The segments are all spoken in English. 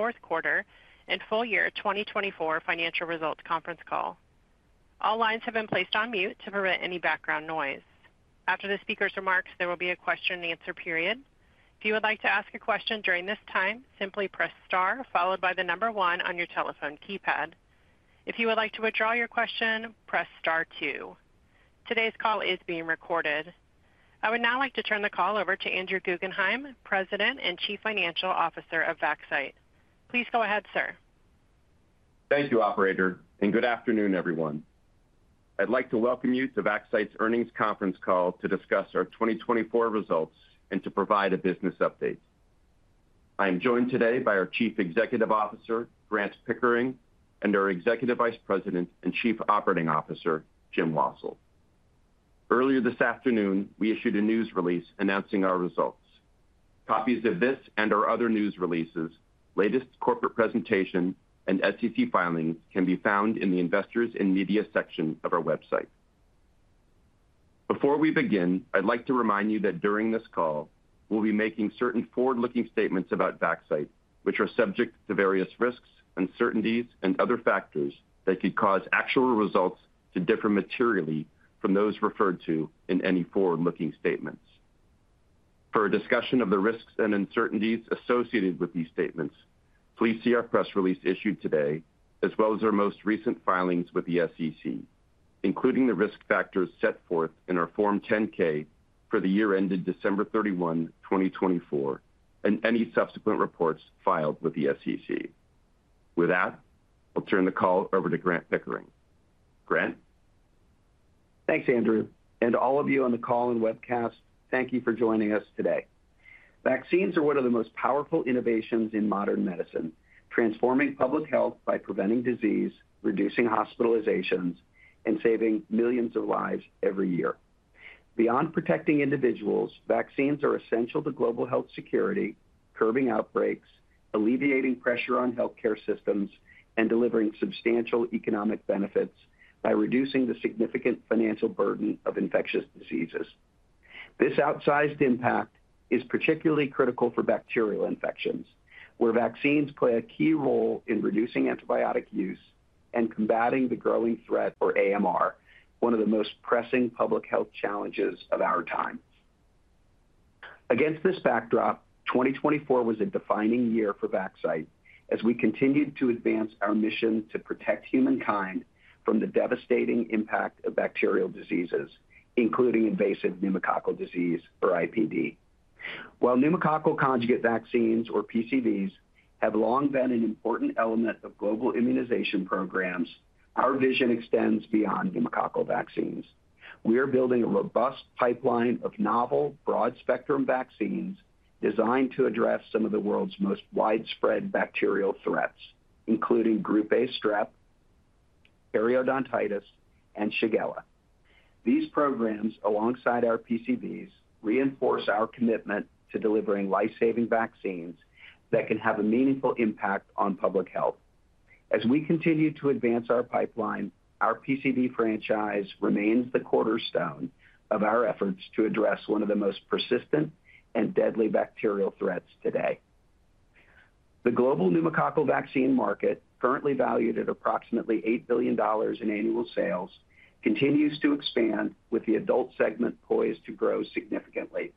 Right, fourth quarter and full year 2024 financial results conference call. All lines have been placed on mute to prevent any background noise. After the speaker's remarks, there will be a question-and-answer period. If you would like to ask a question during this time, simply press star followed by the number one on your telephone keypad. If you would like to withdraw your question, press star two. Today's call is being recorded. I would now like to turn the call over to Andrew Guggenheim, President and Chief Financial Officer of Vaxcyte. Please go ahead, sir. Thank you, Operator, and good afternoon, everyone. I'd like to welcome you to Vaxcyte's earnings conference call to discuss our 2024 results and to provide a business update. I am joined today by our Chief Executive Officer, Grant Pickering, and our Executive Vice President and Chief Operating Officer, Jim Wassil. Earlier this afternoon, we issued a news release announcing our results. Copies of this and our other news releases, latest corporate presentation, and SEC filings can be found in the Investors and Media section of our website. Before we begin, I'd like to remind you that during this call, we'll be making certain forward-looking statements about Vaxcyte, which are subject to various risks, uncertainties, and other factors that could cause actual results to differ materially from those referred to in any forward-looking statements. For a discussion of the risks and uncertainties associated with these statements, please see our press release issued today, as well as our most recent filings with the SEC, including the risk factors set forth in our Form 10-K for the year ended December 31, 2024, and any subsequent reports filed with the SEC. With that, I'll turn the call over to Grant Pickering. Grant? Thanks, Andrew. And to all of you on the call and webcast, thank you for joining us today. Vaccines are one of the most powerful innovations in modern medicine, transforming public health by preventing disease, reducing hospitalizations, and saving millions of lives every year. Beyond protecting individuals, vaccines are essential to global health security, curbing outbreaks, alleviating pressure on healthcare systems, and delivering substantial economic benefits by reducing the significant financial burden of infectious diseases. This outsized impact is particularly critical for bacterial infections, where vaccines play a key role in reducing antibiotic use and combating the growing threat, or AMR, one of the most pressing public health challenges of our time. Against this backdrop, 2024 was a defining year for Vaxcyte as we continued to advance our mission to protect humankind from the devastating impact of bacterial diseases, including Invasive Pneumococcal Disease, or IPD. While pneumococcal conjugate vaccines, or PCVs, have long been an important element of global immunization programs, our vision extends beyond pneumococcal vaccines. We are building a robust pipeline of novel, broad-spectrum vaccines designed to address some of the world's most widespread bacterial threats, including Group A strep, periodontitis, and Shigella. These programs, alongside our PCVs, reinforce our commitment to delivering lifesaving vaccines that can have a meaningful impact on public health. As we continue to advance our pipeline, our PCV franchise remains the cornerstone of our efforts to address one of the most persistent and deadly bacterial threats today. The global pneumococcal vaccine market, currently valued at approximately $8 billion in annual sales, continues to expand with the adult segment poised to grow significantly,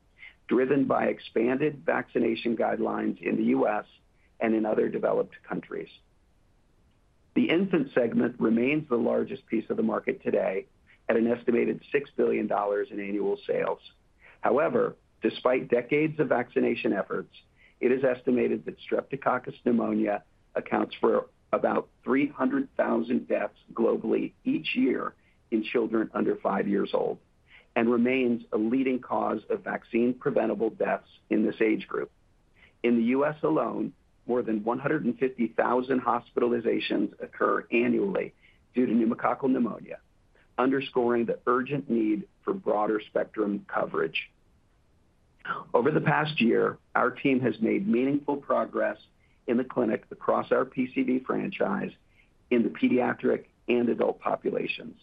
driven by expanded vaccination guidelines in the U.S. and in other developed countries. The infant segment remains the largest piece of the market today at an estimated $6 billion in annual sales. However, despite decades of vaccination efforts, it is estimated that Streptococcus pneumoniae accounts for about 300,000 deaths globally each year in children under five years old and remains a leading cause of vaccine-preventable deaths in this age group. In the U.S. alone, more than 150,000 hospitalizations occur annually due to pneumococcal pneumonia, underscoring the urgent need for broader spectrum coverage. Over the past year, our team has made meaningful progress in the clinic across our PCV franchise in the pediatric and adult populations.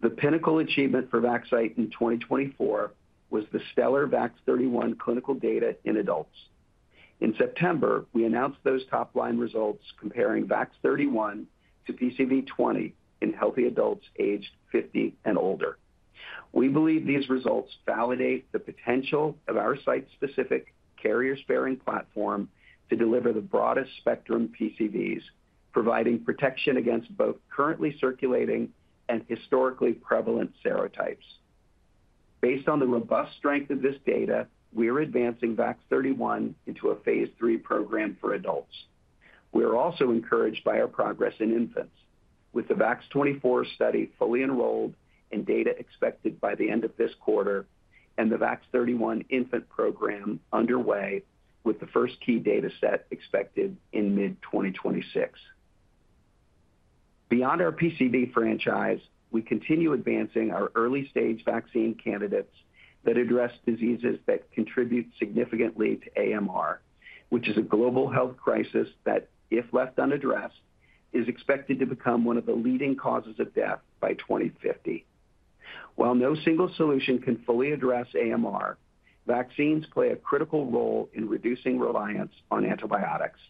The pinnacle achievement for Vaxcyte in 2024 was the stellar VAX-31 clinical data in adults. In September, we announced those top-line results comparing VAX-31 to PCV20 in healthy adults aged 50 and older. We believe these results validate the potential of our site-specific carrier-sparing platform to deliver the broadest spectrum PCVs, providing protection against both currently circulating and historically prevalent serotypes. Based on the robust strength of this data, we are advancing VAX-31 into a Phase 3 program for adults. We are also encouraged by our progress in infants, with the VAX-24 study fully enrolled and data expected by the end of this quarter, and the VAX-31 infant program underway with the first key data set expected in mid-2026. Beyond our PCV franchise, we continue advancing our early-stage vaccine candidates that address diseases that contribute significantly to AMR, which is a global health crisis that, if left unaddressed, is expected to become one of the leading causes of death by 2050. While no single solution can fully address AMR, vaccines play a critical role in reducing reliance on antibiotics.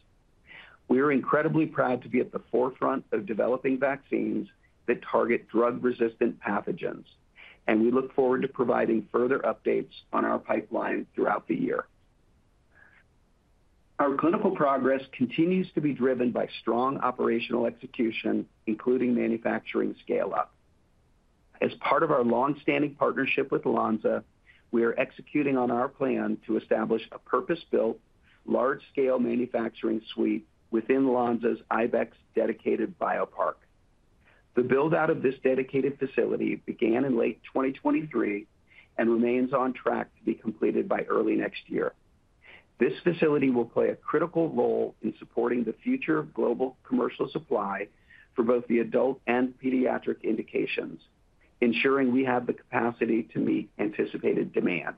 We are incredibly proud to be at the forefront of developing vaccines that target drug-resistant pathogens, and we look forward to providing further updates on our pipeline throughout the year. Our clinical progress continues to be driven by strong operational execution, including manufacturing scale-up. As part of our longstanding partnership with Lonza, we are executing on our plan to establish a purpose-built, large-scale manufacturing suite within Lonza's Ibex Dedicated Biopark. The build-out of this dedicated facility began in late 2023 and remains on track to be completed by early next year. This facility will play a critical role in supporting the future global commercial supply for both the adult and pediatric indications, ensuring we have the capacity to meet anticipated demand.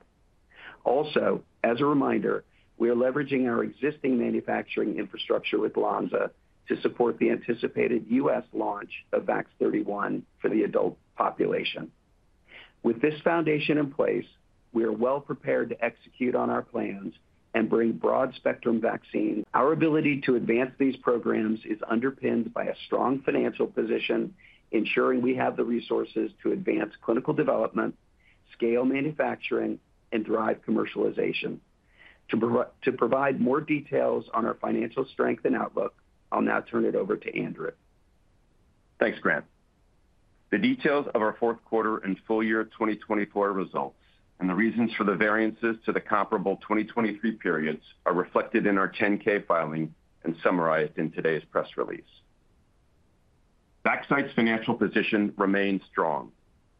Also, as a reminder, we are leveraging our existing manufacturing infrastructure with Lonza to support the anticipated U.S. launch of VAX-31 for the adult population. With this foundation in place, we are well-prepared to execute on our plans and bring broad-spectrum vaccines. Our ability to advance these programs is underpinned by a strong financial position, ensuring we have the resources to advance clinical development, scale manufacturing, and drive commercialization. To provide more details on our financial strength and outlook, I'll now turn it over to Andrew. Thanks, Grant. The details of our fourth quarter and full year 2024 results and the reasons for the variances to the comparable 2023 periods are reflected in our 10-K filing and summarized in today's press release. Vaxcyte's financial position remains strong,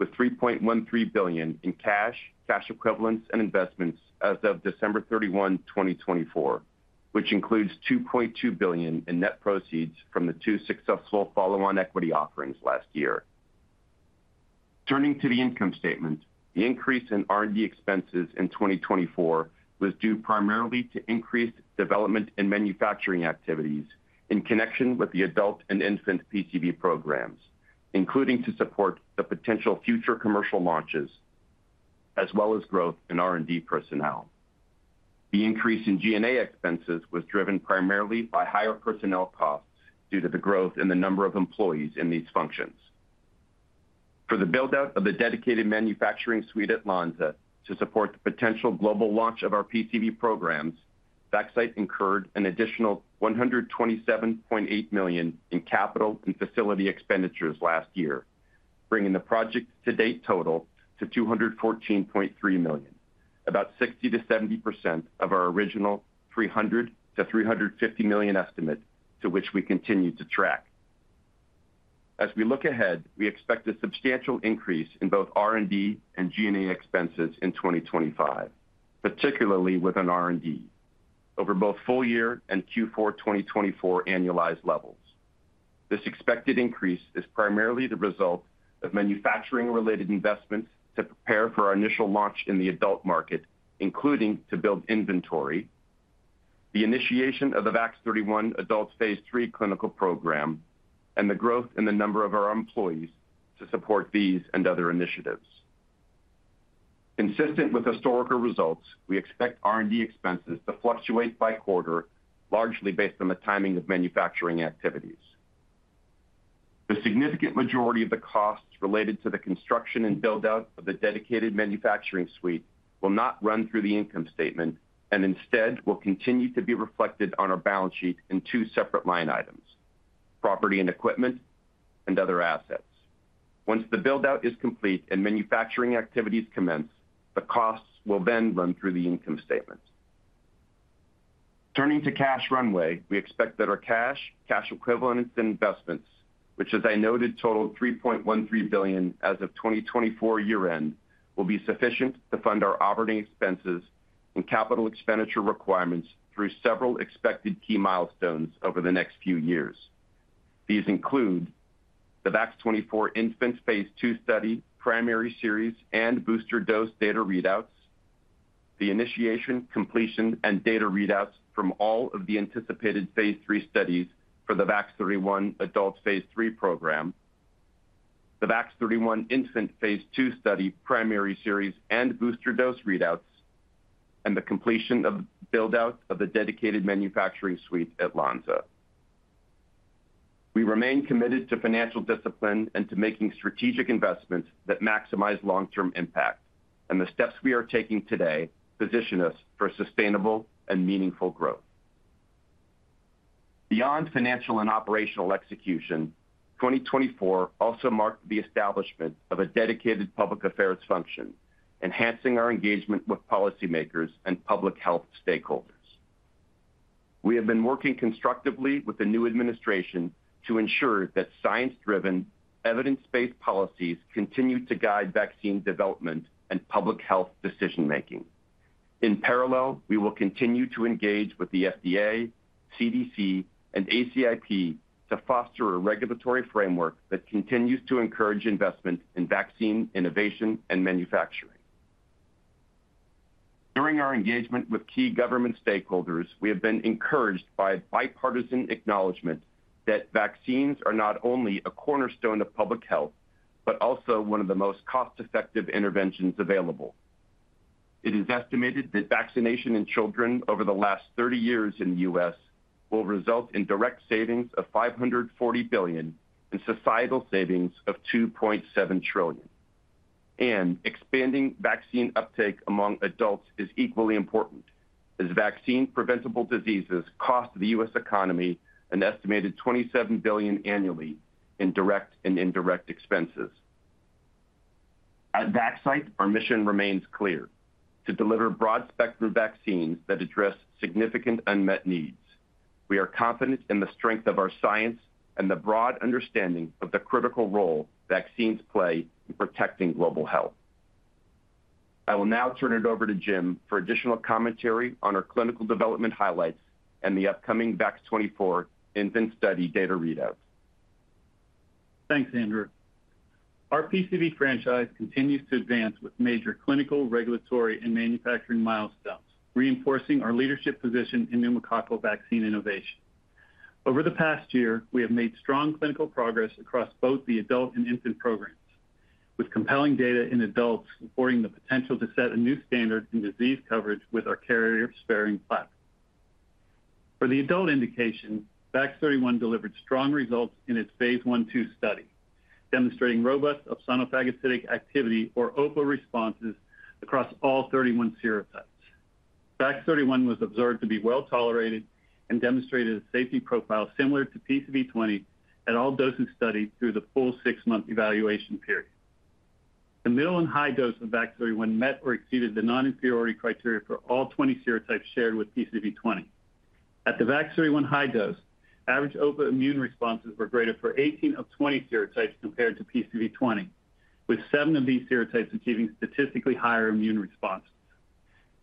with $3.13 billion in cash, cash equivalents, and investments as of December 31, 2024, which includes $2.2 billion in net proceeds from the two successful follow-on equity offerings last year. Turning to the income statement, the increase in R&D expenses in 2024 was due primarily to increased development and manufacturing activities in connection with the adult and infant PCV programs, including to support the potential future commercial launches, as well as growth in R&D personnel. The increase in G&A expenses was driven primarily by higher personnel costs due to the growth in the number of employees in these functions. For the build-out of the dedicated manufacturing suite at Lonza to support the potential global launch of our PCV programs, Vaxcyte incurred an additional $127.8 million in capital and facility expenditures last year, bringing the project's to-date total to $214.3 million, about 60%-70% of our original $300-$350 million estimate to which we continue to track. As we look ahead, we expect a substantial increase in both R&D and G&A expenses in 2025, particularly within R&D, over both full year and Q4 2024 annualized levels. This expected increase is primarily the result of manufacturing-related investments to prepare for our initial launch in the adult market, including to build inventory, the initiation of the VAX-31 adult Phase 3 clinical program, and the growth in the number of our employees to support these and other initiatives. Consistent with historical results, we expect R&D expenses to fluctuate by quarter, largely based on the timing of manufacturing activities. The significant majority of the costs related to the construction and build-out of the dedicated manufacturing suite will not run through the income statement and instead will continue to be reflected on our balance sheet in two separate line items: property and equipment and other assets. Once the build-out is complete and manufacturing activities commence, the costs will then run through the income statement. Turning to cash runway, we expect that our cash, cash equivalents, and investments, which, as I noted, totaled $3.13 billion as of 2024 year-end, will be sufficient to fund our operating expenses and capital expenditure requirements through several expected key milestones over the next few years. These include the VAX-24 infant Phase 2 study primary series and booster dose data readouts, the initiation, completion, and data readouts from all of the anticipated Phase 3 studies for the VAX-31 adult Phase 3 program, the VAX-31 infant Phase 2 study primary series and booster dose readouts, and the completion of the build-out of the dedicated manufacturing suite at Lonza. We remain committed to financial discipline and to making strategic investments that maximize long-term impact, and the steps we are taking today position us for sustainable and meaningful growth. Beyond financial and operational execution, 2024 also marked the establishment of a dedicated public affairs function, enhancing our engagement with policymakers and public health stakeholders. We have been working constructively with the new administration to ensure that science-driven, evidence-based policies continue to guide vaccine development and public health decision-making. In parallel, we will continue to engage with the FDA, CDC, and ACIP to foster a regulatory framework that continues to encourage investment in vaccine innovation and manufacturing. During our engagement with key government stakeholders, we have been encouraged by bipartisan acknowledgment that vaccines are not only a cornerstone of public health, but also one of the most cost-effective interventions available. It is estimated that vaccination in children over the last 30 years in the U.S. will result in direct savings of $540 billion and societal savings of $2.7 trillion. Expanding vaccine uptake among adults is equally important, as vaccine-preventable diseases cost the U.S. economy an estimated $27 billion annually in direct and indirect expenses. At Vaxcyte, our mission remains clear: to deliver broad-spectrum vaccines that address significant unmet needs. We are confident in the strength of our science and the broad understanding of the critical role vaccines play in protecting global health. I will now turn it over to Jim for additional commentary on our clinical development highlights and the upcoming VAX-24 infant study data readouts. Thanks, Andrew. Our PCV franchise continues to advance with major clinical, regulatory, and manufacturing milestones, reinforcing our leadership position in pneumococcal vaccine innovation. Over the past year, we have made strong clinical progress across both the adult and infant programs, with compelling data in adults supporting the potential to set a new standard in disease coverage with our carrier-sparing platform. For the adult indication, VAX-31 delivered strong results in its phase 1/2 study, demonstrating robust opsonophagocytic activity, or OPA, responses across all 31 serotypes. VAX-31 was observed to be well tolerated and demonstrated a safety profile similar to PCV20 at all doses studied through the full six-month evaluation period. The middle and high dose of VAX-31 met or exceeded the non-inferiority criteria for all 20 serotypes shared with PCV20. At the VAX-31 high dose, average OPA immune responses were greater for 18 of 20 serotypes compared to PCV20, with seven of these serotypes achieving statistically higher immune responses.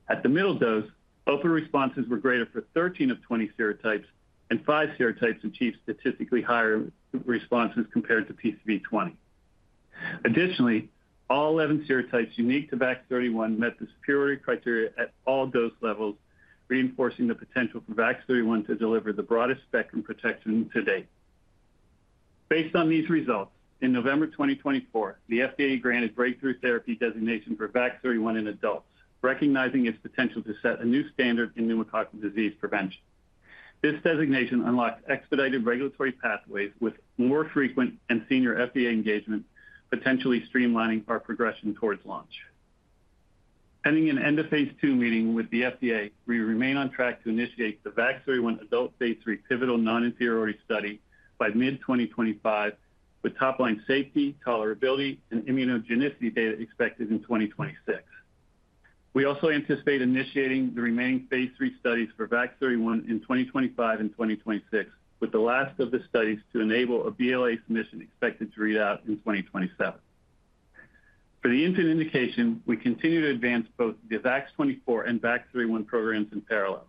At the middle dose, OPA responses were greater for 13 of 20 serotypes, and five serotypes achieved statistically higher responses compared to PCV20. Additionally, all 11 serotypes unique to VAX-31 met the superiority criteria at all dose levels, reinforcing the potential for VAX-31 to deliver the broadest spectrum protection to date. Based on these results, in November 2024, the FDA granted Breakthrough Therapy designation for VAX-31 in adults, recognizing its potential to set a new standard in pneumococcal disease prevention. This designation unlocked expedited regulatory pathways with more frequent and senior FDA engagement, potentially streamlining our progression towards launch. Pending an End-of-Phase 2 meeting with the FDA, we remain on track to initiate the VAX-31 adult phase 3 pivotal non-inferiority study by mid-2025, with top-line safety, tolerability, and immunogenicity data expected in 2026. We also anticipate initiating the remaining phase 3 studies for VAX-31 in 2025 and 2026, with the last of the studies to enable a BLA submission expected to read out in 2027. For the infant indication, we continue to advance both the VAX-24 and VAX-31 programs in parallel.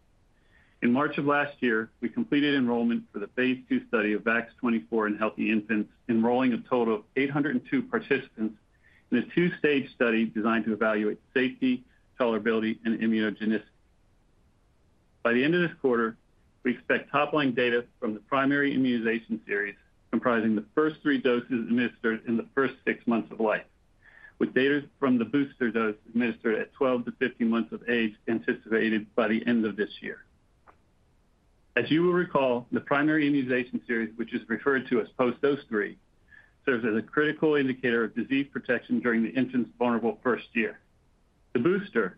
In March of last year, we completed enrollment for the phase 2 study of VAX-24 in healthy infants, enrolling a total of 802 participants in a two-stage study designed to evaluate safety, tolerability, and immunogenicity. By the end of this quarter, we expect top-line data from the primary immunization series, comprising the first three doses administered in the first six months of life, with data from the booster dose administered at 12-15 months of age anticipated by the end of this year. As you will recall, the primary immunization series, which is referred to as post-dose three, serves as a critical indicator of disease protection during the infant's vulnerable first year. The booster,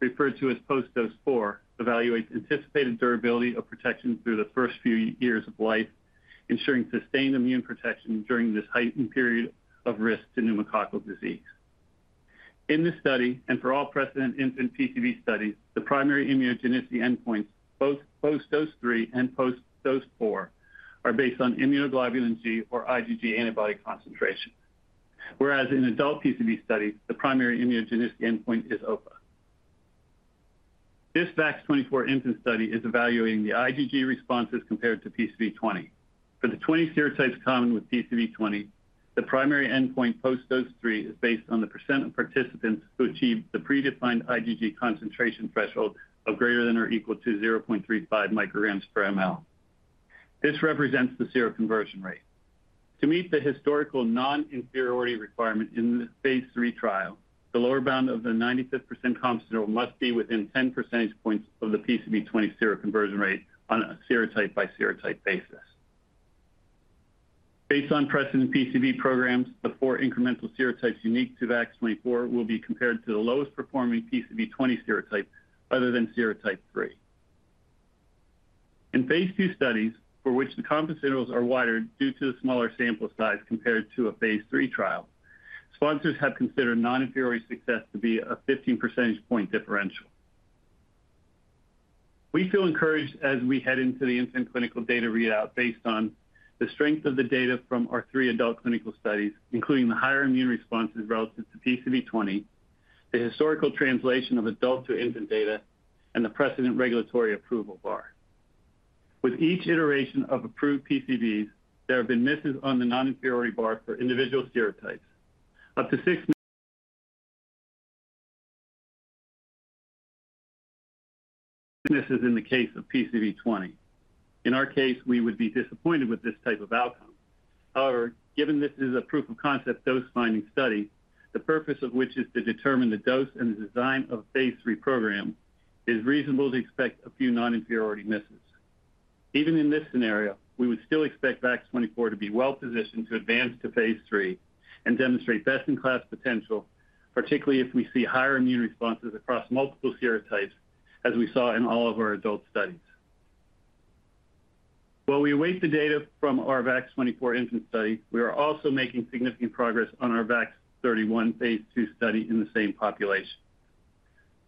referred to as post-dose four, evaluates anticipated durability of protection through the first few years of life, ensuring sustained immune protection during this heightened period of risk to pneumococcal disease. In this study, and for all precedent infant PCV studies, the primary immunogenicity endpoints, both post-dose three and post-dose four, are based on immunoglobulin G, or IgG antibody concentration, whereas in adult PCV studies, the primary immunogenicity endpoint is OPA. This VAX-24 infant study is evaluating the IgG responses compared to PCV20. For the 20 serotypes common with PCV20, the primary endpoint post-dose three is based on the % of participants who achieve the predefined IgG concentration threshold of greater than or equal to 0.35 micrograms per mL. This represents the seroconversion rate. To meet the historical non-inferiority requirement in the Phase 3 trial, the lower bound of the 95th percentile must be within 10 percentage points of the PCV20 seroconversion rate on a serotype-by-serotype basis. Based on precedent PCV programs, the four incremental serotypes unique to VAX-24 will be compared to the lowest performing PCV20 serotype other than serotype three. In Phase 2 studies, for which the compensators are wider due to the smaller sample size compared to a Phase 3 trial, sponsors have considered non-inferiority success to be a 15 percentage point differential. We feel encouraged as we head into the infant clinical data readout based on the strength of the data from our three adult clinical studies, including the higher immune responses relative to PCV20, the historical translation of adult to infant data, and the precedent regulatory approval bar. With each iteration of approved PCVs, there have been misses on the non-inferiority bar for individual serotypes. Up to six misses in the case of PCV20. In our case, we would be disappointed with this type of outcome. However, given this is a proof-of-concept dose-finding study, the purpose of which is to determine the dose and the design of Phase 3 program, it is reasonable to expect a few non-inferiority misses. Even in this scenario, we would still expect VAX-24 to be well positioned to advance to Phase 3 and demonstrate best-in-class potential, particularly if we see higher immune responses across multiple serotypes, as we saw in all of our adult studies. While we await the data from our VAX-24 infant study, we are also making significant progress on our VAX-31 Phase 2 study in the same population.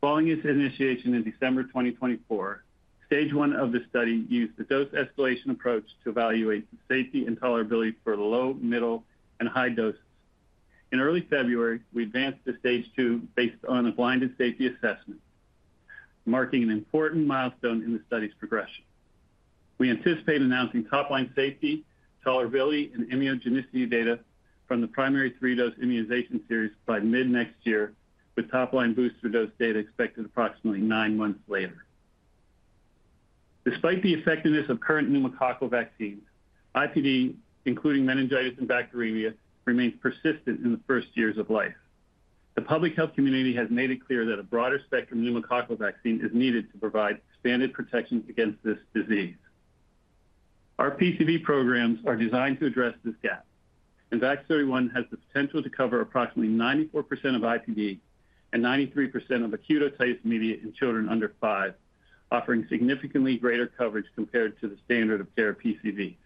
Following its initiation in December 2024, stage one of the study used the dose escalation approach to evaluate the safety and tolerability for low, middle, and high doses. In early February, we advanced to stage two based on a blinded safety assessment, marking an important milestone in the study's progression. We anticipate announcing top-line safety, tolerability, and immunogenicity data from the primary three-dose immunization series by mid-next year, with top-line booster dose data expected approximately nine months later. Despite the effectiveness of current pneumococcal vaccines, IPD, including meningitis and bacteremia, remains persistent in the first years of life. The public health community has made it clear that a broader spectrum pneumococcal vaccine is needed to provide expanded protection against this disease. Our PCV programs are designed to address this gap, and VAX-31 has the potential to cover approximately 94% of IPD and 93% of acute otitis media in children under five, offering significantly greater coverage compared to the standard of care PCVs.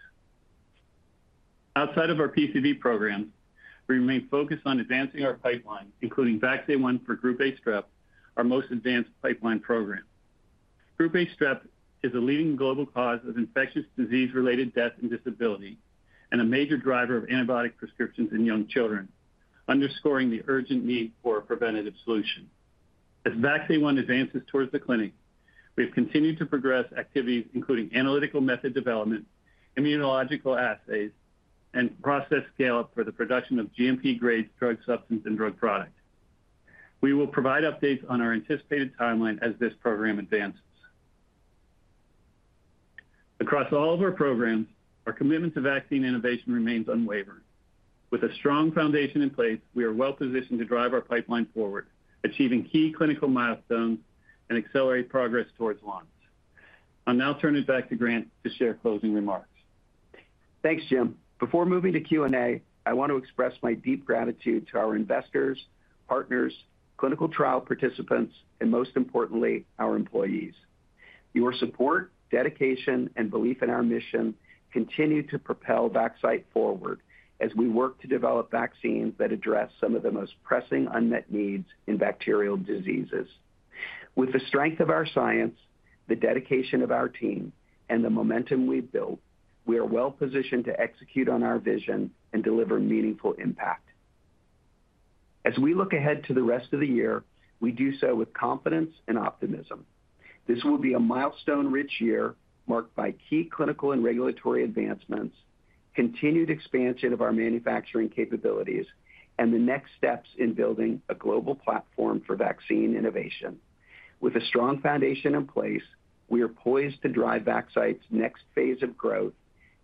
Outside of our PCV programs, we remain focused on advancing our pipeline, including VAX-A1 for group A strep, our most advanced pipeline program. Group A strep is a leading global cause of infectious disease-related death and disability and a major driver of antibiotic prescriptions in young children, underscoring the urgent need for a preventative solution. As VAX-A1 advances towards the clinic, we have continued to progress activities, including analytical method development, immunological assays, and process scale-up for the production of GMP-grade drug substance and drug product. We will provide updates on our anticipated timeline as this program advances. Across all of our programs, our commitment to vaccine innovation remains unwavering. With a strong foundation in place, we are well positioned to drive our pipeline forward, achieving key clinical milestones and accelerate progress towards launch. I'll now turn it back to Grant to share closing remarks. Thanks, Jim. Before moving to Q&A, I want to express my deep gratitude to our investors, partners, clinical trial participants, and most importantly, our employees. Your support, dedication, and belief in our mission continue to propel Vaxcyte forward as we work to develop vaccines that address some of the most pressing unmet needs in bacterial diseases. With the strength of our science, the dedication of our team, and the momentum we've built, we are well positioned to execute on our vision and deliver meaningful impact. As we look ahead to the rest of the year, we do so with confidence and optimism. This will be a milestone-rich year marked by key clinical and regulatory advancements, continued expansion of our manufacturing capabilities, and the next steps in building a global platform for vaccine innovation. With a strong foundation in place, we are poised to drive Vaxcyte's next phase of growth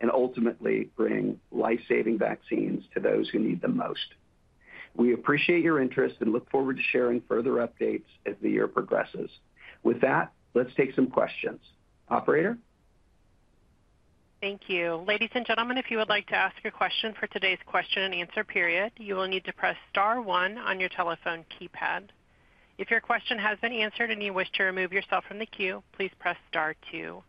and ultimately bring life-saving vaccines to those who need them most. We appreciate your interest and look forward to sharing further updates as the year progresses. With that, let's take some questions. Operator? Thank you. Ladies and gentlemen, if you would like to ask a question for today's question and answer period, you will need to press star one on your telephone keypad. If your question has been answered and you wish to remove yourself from the queue, please press star two.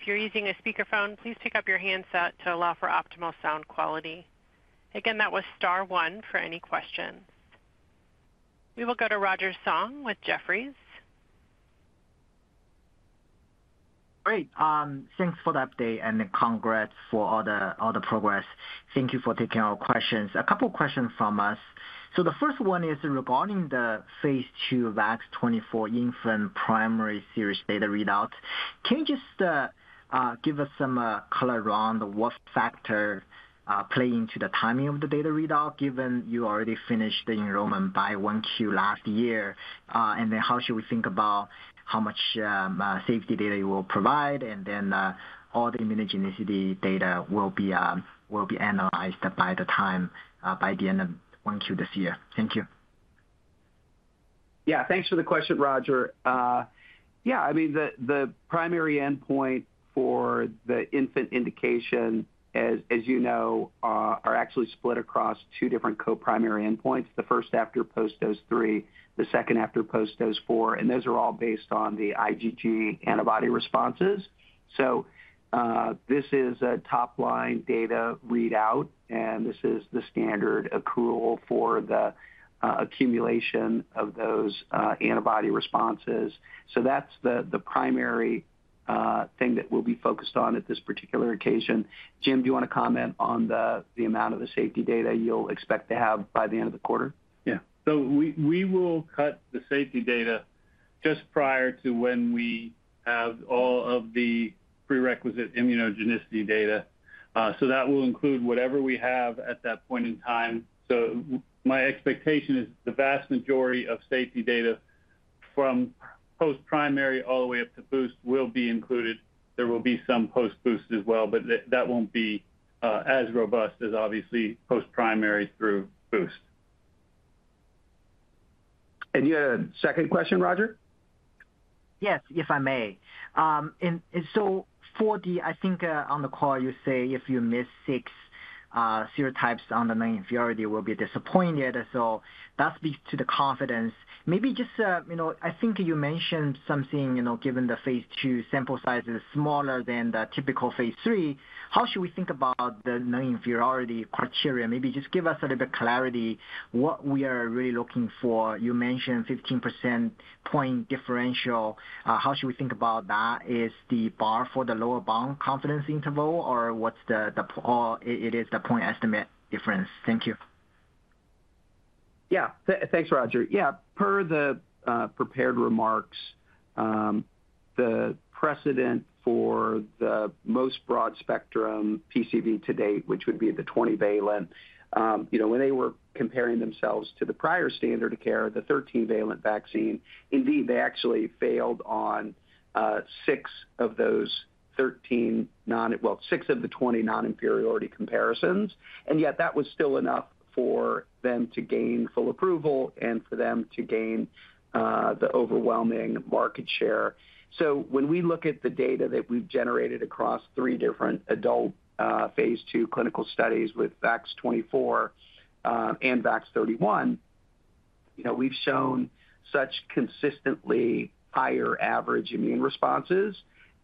If you're using a speakerphone, please pick up your handset to allow for optimal sound quality. Again, that was star one for any questions. We will go to Roger Song with Jefferies. Great. Thanks for the update and congrats for all the progress. Thank you for taking our questions. A couple of questions from us. So the first one is regarding the Phase 2 VAX-24 infant primary series data readout. Can you just give us some color around what factors play into the timing of the data readout, given you already finished the enrollment by Q1 last year? And then how should we think about how much safety data you will provide? And then all the immunogenicity data will be analyzed by the end of Q1 this year. Thank you. Yeah, thanks for the question, Roger. Yeah, I mean, the primary endpoint for the infant indication, as you know, are actually split across two different coprimary endpoints: the first after post-dose three, the second after post-dose four, and those are all based on the IgG antibody responses. So this is a top-line data readout, and this is the standard accrual for the accumulation of those antibody responses. So that's the primary thing that we'll be focused on at this particular occasion. Jim, do you want to comment on the amount of the safety data you'll expect to have by the end of the quarter? Yeah. So we will cut the safety data just prior to when we have all of the prerequisite immunogenicity data. So that will include whatever we have at that point in time. So my expectation is the vast majority of safety data from post-primary all the way up to boost will be included. There will be some post-boost as well, but that won't be as robust as obviously post-primary through boost. And you had a second question, Roger? Yes, if I may, and so for the, I think on the call, you say if you miss six serotypes on the non-inferiority, you will be disappointed. So that speaks to the confidence. Maybe just, you know, I think you mentioned something, you know, given the Phase 2 sample size is smaller than the typical Phase 3, how should we think about the non-inferiority criteria? Maybe just give us a little bit of clarity on what we are really looking for. You mentioned 15% point differential. How should we think about that? Is the bar for the lower bound confidence interval, or what's the, or it is the point estimate difference? Thank you. Yeah, thanks, Roger. Yeah, per the prepared remarks, the precedent for the most broad spectrum PCV to date, which would be the 20-valent, you know, when they were comparing themselves to the prior standard of care, the 13-valent vaccine, indeed, they actually failed on six of those 13, well, six of the 20 non-inferiority comparisons. And yet that was still enough for them to gain full approval and for them to gain the overwhelming market share. So when we look at the data that we've generated across three different adult Phase 2 clinical studies with VAX-24 and VAX-31, you know, we've shown such consistently higher average immune responses.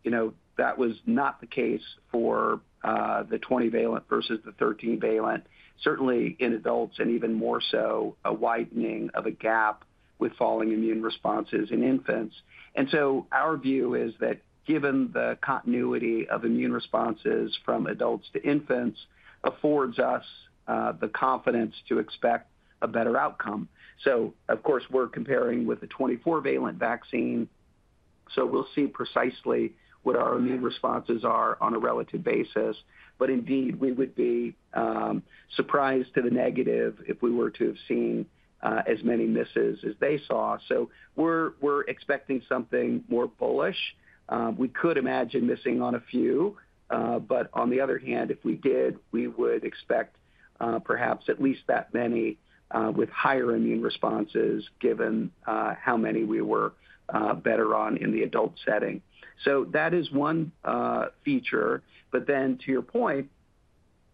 You know, that was not the case for the 20-valent versus the 13-valent. Certainly in adults, and even more so, a widening of a gap with falling immune responses in infants. And so our view is that given the continuity of immune responses from adults to infants, it affords us the confidence to expect a better outcome. So, of course, we're comparing with the 24-valent vaccine, so we'll see precisely what our immune responses are on a relative basis. But indeed, we would be surprised to the negative if we were to have seen as many misses as they saw. So we're expecting something more bullish. We could imagine missing on a few, but on the other hand, if we did, we would expect perhaps at least that many with higher immune responses, given how many we were better on in the adult setting. So that is one feature. But then to your point,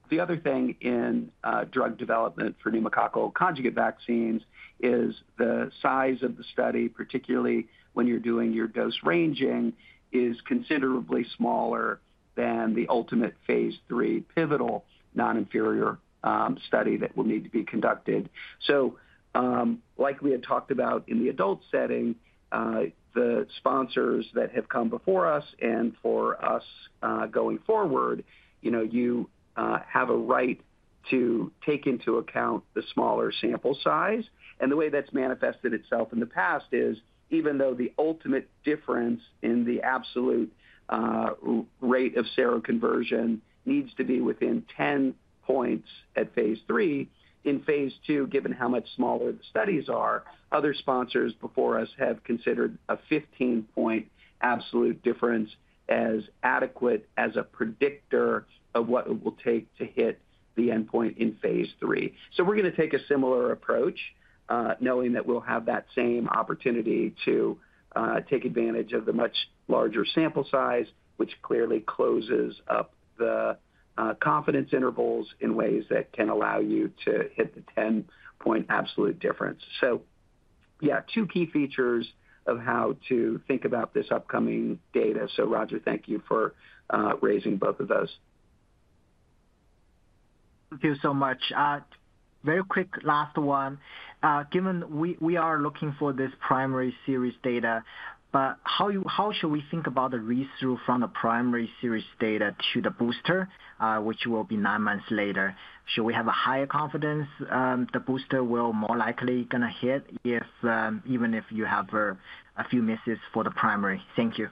the other thing in drug development for pneumococcal conjugate vaccines is the size of the study, particularly when you're doing your dose ranging, is considerably smaller than the ultimate phase 3 pivotal non-inferior study that will need to be conducted. So, like we had talked about in the adult setting, the sponsors that have come before us and for us going forward, you know, you have a right to take into account the smaller sample size. And the way that's manifested itself in the past is, even though the ultimate difference in the absolute rate of seroconversion needs to be within 10 points at phase 3, in phase 2, given how much smaller the studies are, other sponsors before us have considered a 15-point absolute difference as adequate as a predictor of what it will take to hit the endpoint in phase 3. We're going to take a similar approach, knowing that we'll have that same opportunity to take advantage of the much larger sample size, which clearly closes up the confidence intervals in ways that can allow you to hit the 10-point absolute difference. Yeah, two key features of how to think about this upcoming data. Roger, thank you for raising both of those. Thank you so much. Very quick last one. Given we are looking for this primary series data, but how should we think about the read-through from the primary series data to the booster, which will be nine months later? Should we have a higher confidence the booster will more likely going to hit even if you have a few misses for the primary? Thank you.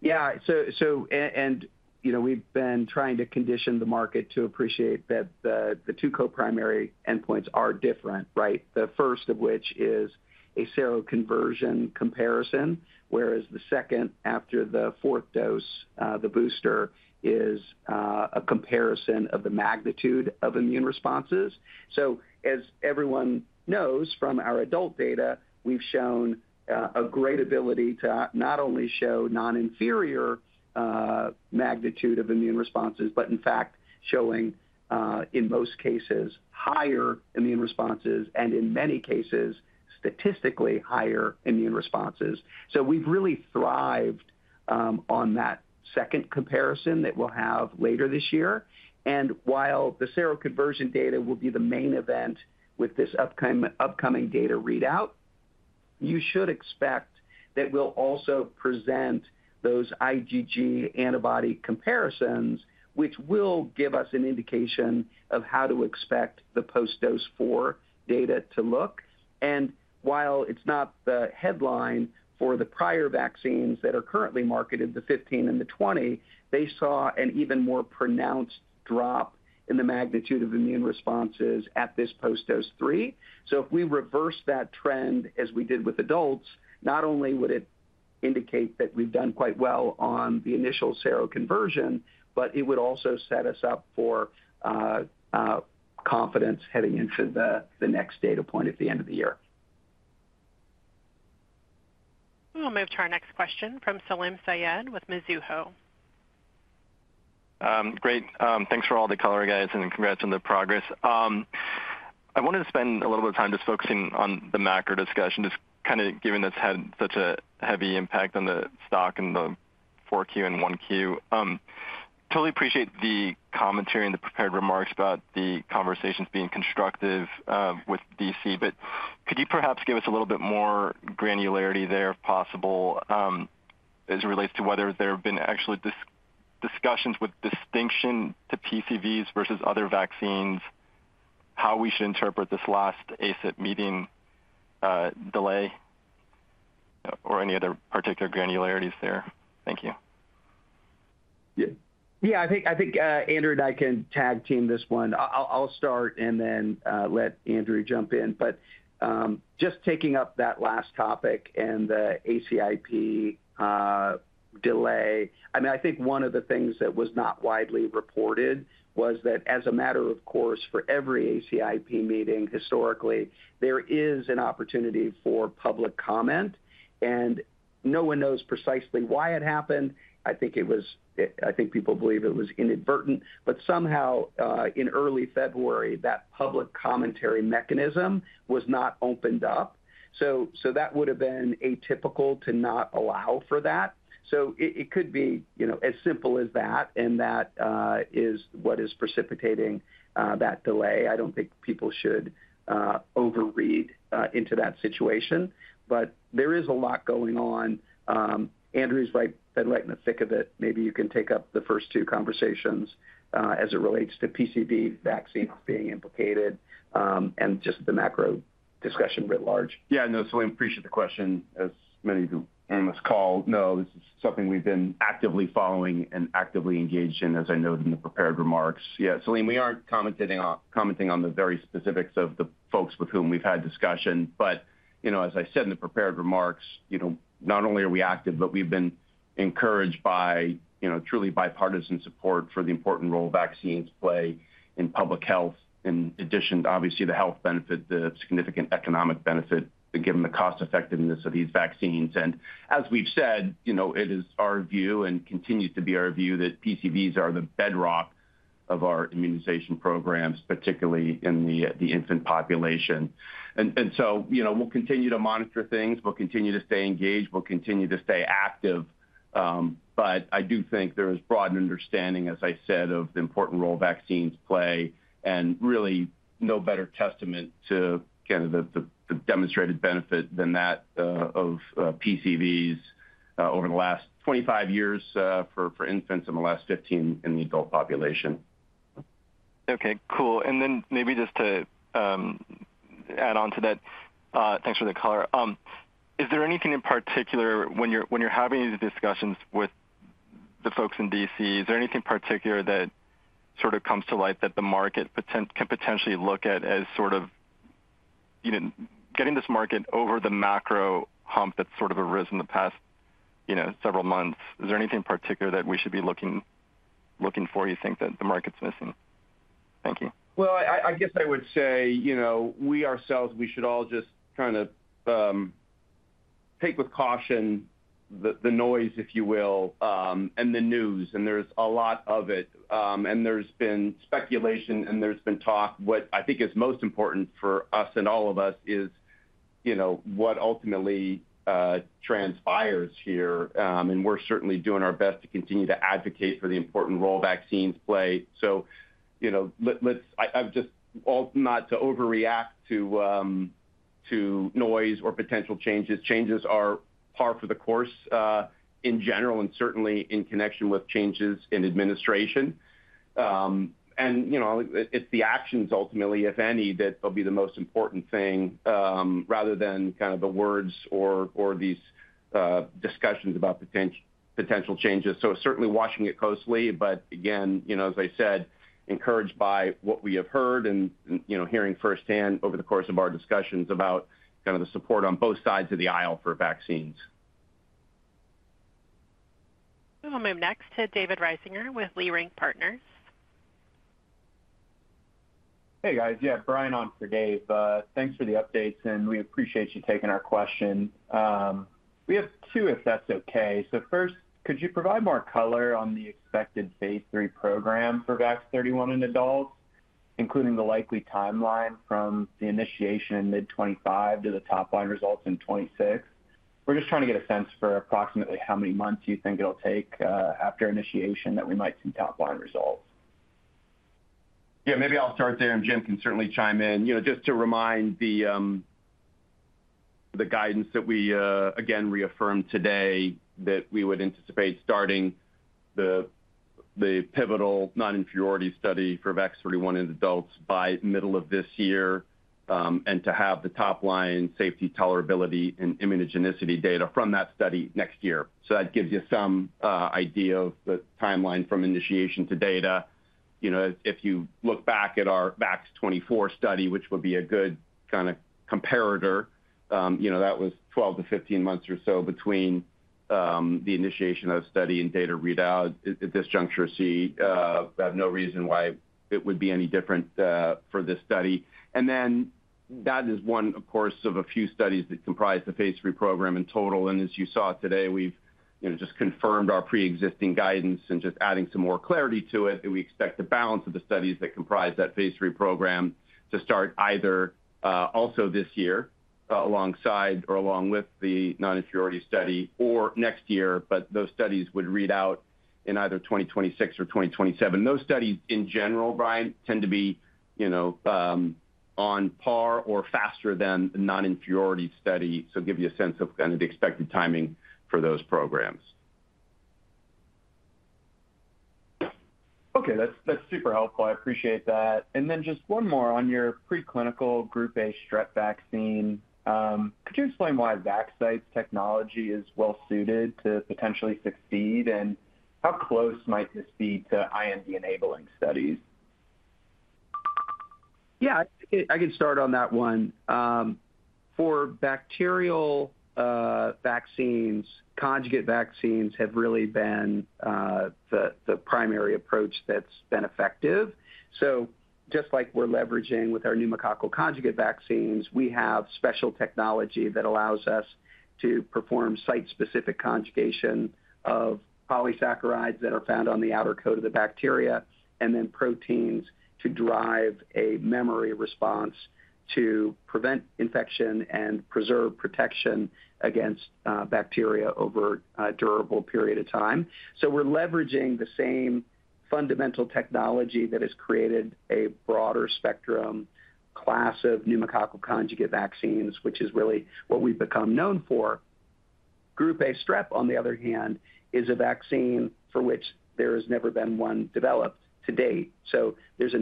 Yeah, so, and you know, we've been trying to condition the market to appreciate that the two coprimary endpoints are different, right? The first of which is a seroconversion comparison, whereas the second, after the fourth dose, the booster, is a comparison of the magnitude of immune responses. So, as everyone knows from our adult data, we've shown a great ability to not only show non-inferior magnitude of immune responses, but in fact showing, in most cases, higher immune responses and in many cases, statistically higher immune responses. So we've really thrived on that second comparison that we'll have later this year. And while the seroconversion data will be the main event with this upcoming data readout, you should expect that we'll also present those IgG antibody comparisons, which will give us an indication of how to expect the post-dose four data to look. And while it's not the headline for the prior vaccines that are currently marketed, the 15 and the 20, they saw an even more pronounced drop in the magnitude of immune responses at this post-dose three. So if we reverse that trend as we did with adults, not only would it indicate that we've done quite well on the initial seroconversion, but it would also set us up for confidence heading into the next data point at the end of the year. We'll move to our next question from Salim Syed with Mizuho. Great. Thanks for all the color, guys, and congrats on the progress. I wanted to spend a little bit of time just focusing on the macro discussion, just kind of given this had such a heavy impact on the stock and the 4Q and 1Q. Totally appreciate the commentary and the prepared remarks about the conversations being constructive with DC. But could you perhaps give us a little bit more granularity there, if possible, as it relates to whether there have been actually discussions with distinction to PCVs versus other vaccines, how we should interpret this last ACIP meeting delay, or any other particular granularities there? Thank you. Yeah, I think Andrew and I can tag team this one. I'll start and then let Andrew jump in, but just taking up that last topic and the ACIP delay, I mean, I think one of the things that was not widely reported was that as a matter of course, for every ACIP meeting historically, there is an opportunity for public comment, and no one knows precisely why it happened. I think it was, I think people believe it was inadvertent, but somehow in early February, that public commentary mechanism was not opened up, so that would have been atypical to not allow for that, so it could be, you know, as simple as that, and that is what is precipitating that delay. I don't think people should overread into that situation, but there is a lot going on. Andrew's been right in the thick of it. Maybe you can take up the first two conversations as it relates to PCV vaccines being implicated and just the macro discussion writ large. Yeah, no, Salim, appreciate the question. As many of you on this call know, this is something we've been actively following and actively engaged in, as I noted in the prepared remarks. Yeah, Salim, we aren't commenting on the very specifics of the folks with whom we've had discussion. But, you know, as I said in the prepared remarks, you know, not only are we active, but we've been encouraged by, you know, truly bipartisan support for the important role vaccines play in public health. In addition, obviously, the health benefit, the significant economic benefit, given the cost-effectiveness of these vaccines. And as we've said, you know, it is our view and continues to be our view that PCVs are the bedrock of our immunization programs, particularly in the infant population. And so, you know, we'll continue to monitor things. We'll continue to stay engaged. We'll continue to stay active. But I do think there is broad understanding, as I said, of the important role vaccines play. And really no better testament to kind of the demonstrated benefit than that of PCVs over the last 25 years for infants and the last 15 in the adult population. Okay, cool, and then maybe just to add on to that, thanks for the color. Is there anything in particular when you're having these discussions with the folks in DC, is there anything in particular that sort of comes to light that the market can potentially look at as sort of, you know, getting this market over the macro hump that's sort of arisen in the past, you know, several months? Is there anything in particular that we should be looking for, you think, that the market's missing? Thank you. I guess I would say, you know, we ourselves, we should all just kind of take with caution the noise, if you will, and the news. And there's a lot of it. And there's been speculation and there's been talk. What I think is most important for us and all of us is, you know, what ultimately transpires here. And we're certainly doing our best to continue to advocate for the important role vaccines play. So, you know, let's, I'm just not to overreact to noise or potential changes. Changes are par for the course in general and certainly in connection with changes in administration. And, you know, it's the actions ultimately, if any, that will be the most important thing rather than kind of the words or these discussions about potential changes. So certainly watching it closely. But again, you know, as I said, encouraged by what we have heard and, you know, hearing firsthand over the course of our discussions about kind of the support on both sides of the aisle for vaccines. We'll move next to David Risinger with Leerink Partners. Hey, guys. Yeah, Brian on for Dave. Thanks for the updates, and we appreciate you taking our question. We have two, if that's okay. So first, could you provide more color on the expected Phase 3 program for VAX-31 in adults, including the likely timeline from the initiation in mid-2025 to the top line results in 2026? We're just trying to get a sense for approximately how many months you think it'll take after initiation that we might see top line results? Yeah, maybe I'll start there, and Jim can certainly chime in. You know, just to remind the guidance that we again reaffirmed today that we would anticipate starting the pivotal non-inferiority study for VAX-31 in adults by middle of this year and to have the top line safety, tolerability, and immunogenicity data from that study next year. So that gives you some idea of the timeline from initiation to data. You know, if you look back at our VAX-24 study, which would be a good kind of comparator, you know, that was 12-15 months or so between the initiation of study and data readout at this juncture, so you have no reason why it would be any different for this study. And then that is one, of course, of a few studies that comprise the Phase 3 program in total. And as you saw today, we've, you know, just confirmed our pre-existing guidance and just adding some more clarity to it. We expect the balance of the studies that comprise that Phase 3 program to start either also this year alongside or along with the non-inferiority study or next year, but those studies would read out in either 2026 or 2027. Those studies in general, Brian, tend to be, you know, on par or faster than the non-inferiority study. So give you a sense of kind of the expected timing for those programs. Okay, that's super helpful. I appreciate that. And then just one more on your preclinical Group A strep vaccine. Could you explain why Vaxcyte's technology is well-suited to potentially succeed? And how close might this be to IND-enabling studies? Yeah, I can start on that one. For bacterial vaccines, conjugate vaccines have really been the primary approach that's been effective. So just like we're leveraging with our pneumococcal conjugate vaccines, we have special technology that allows us to perform site-specific conjugation of polysaccharides that are found on the outer coat of the bacteria and then proteins to drive a memory response to prevent infection and preserve protection against bacteria over a durable period of time. So we're leveraging the same fundamental technology that has created a broader spectrum class of pneumococcal conjugate vaccines, which is really what we've become known for. Group A strep, on the other hand, is a vaccine for which there has never been one developed to date. So there's a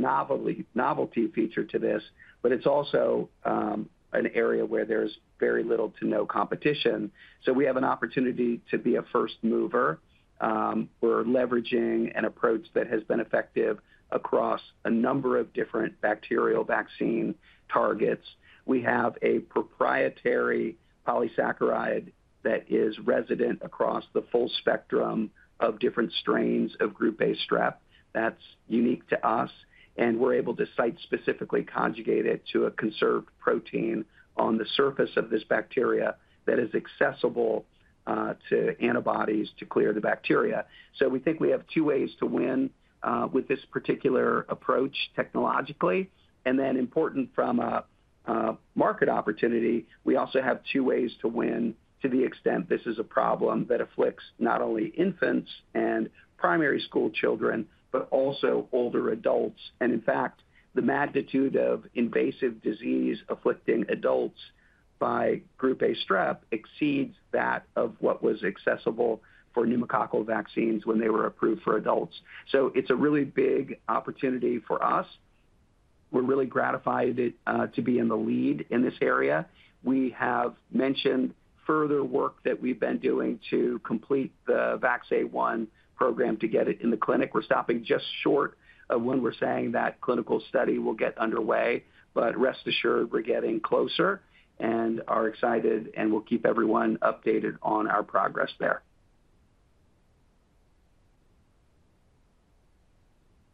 novelty feature to this, but it's also an area where there's very little to no competition. So we have an opportunity to be a first mover. We're leveraging an approach that has been effective across a number of different bacterial vaccine targets. We have a proprietary polysaccharide that is resident across the full spectrum of different strains of group A strep that's unique to us. And we're able to site-specifically conjugate it to a conserved protein on the surface of this bacteria that is accessible to antibodies to clear the bacteria. So we think we have two ways to win with this particular approach technologically. And then important from a market opportunity, we also have two ways to win to the extent this is a problem that afflicts not only infants and primary school children, but also older adults. And in fact, the magnitude of invasive disease afflicting adults by Group A strep exceeds that of what was accessible for pneumococcal vaccines when they were approved for adults. So it's a really big opportunity for us. We're really gratified to be in the lead in this area. We have mentioned further work that we've been doing to complete the VAX-A1 program to get it in the clinic. We're stopping just short of when we're saying that clinical study will get underway. But rest assured, we're getting closer and are excited, and we'll keep everyone updated on our progress there.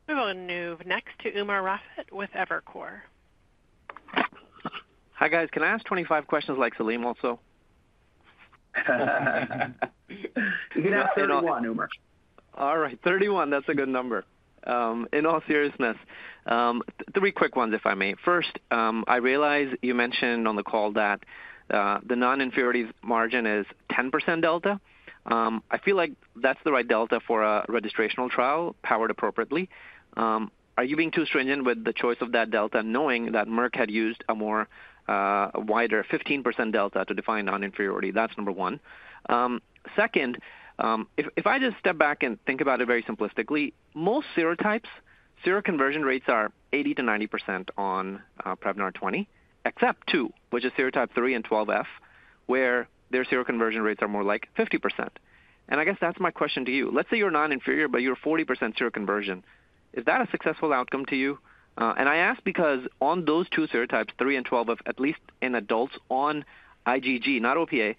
We will move next to Umer Raffat with Evercore. Hi guys, can I ask 25 questions like Salim also? You can ask 31, Umer. All right, 31, that's a good number. In all seriousness, three quick ones if I may. First, I realize you mentioned on the call that the non-inferiority margin is 10% delta. I feel like that's the right delta for a registrational trial powered appropriately. Are you being too stringent with the choice of that delta knowing that Merck had used a more wider 15% delta to define non-inferiority? That's number one. Second, if I just step back and think about it very simplistically, most serotypes, seroconversion rates are 80%-90% on Prevnar 20, except two, which are serotype 3 and 12F, where their seroconversion rates are more like 50%. And I guess that's my question to you. Let's say you're non-inferior, but you're 40% seroconversion. Is that a successful outcome to you? I ask because on those two serotypes, 3 and 12F, at least in adults on IgG, not OPA,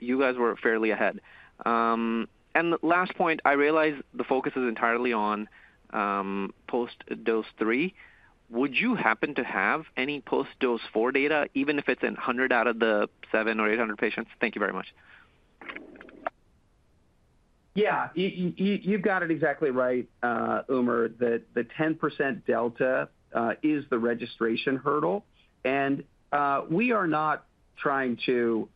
you guys were fairly ahead. Last point, I realize the focus is entirely on post-dose three. Would you happen to have any post-dose four data, even if it's in 100 out of the 700 or 800 patients? Thank you very much. Yeah, you've got it exactly right, Umer, that the 10% delta is the registration hurdle. And we are not trying to,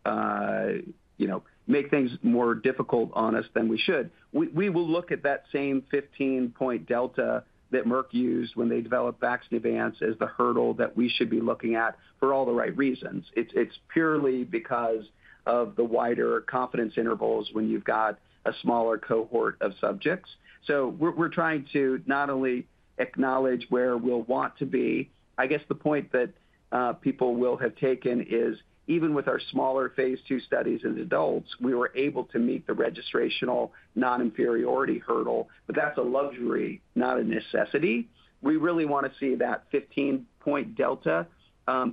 you know, make things more difficult on us than we should. We will look at that same 15-point delta that Merck used when they developed Vaxneuvance as the hurdle that we should be looking at for all the right reasons. It's purely because of the wider confidence intervals when you've got a smaller cohort of subjects. So we're trying to not only acknowledge where we'll want to be. I guess the point that people will have taken is even with our smaller Phase 2 studies in adults, we were able to meet the registrational non-inferiority hurdle, but that's a luxury, not a necessity. We really want to see that 15-point delta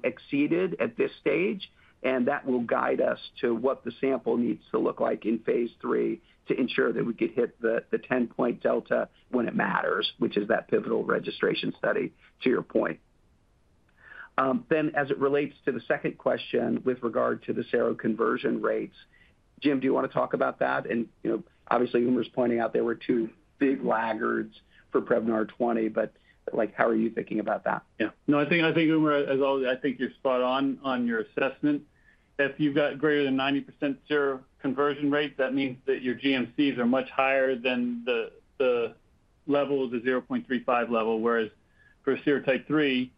exceeded at this stage. And that will guide us to what the sample needs to look like in Phase 3 to ensure that we could hit the 10-point delta when it matters, which is that pivotal registration study, to your point. Then as it relates to the second question with regard to the seroconversion rates, Jim, do you want to talk about that? And, you know, obviously, Umer's pointing out there were two big laggards for Prevnar 20, but like, how are you thinking about that? Yeah, no, I think, Umer, as always, I think you're spot on on your assessment. If you've got greater than 90% seroconversion rate, that means that your GMCs are much higher than the level of the 0.35 level, whereas for serotype 3,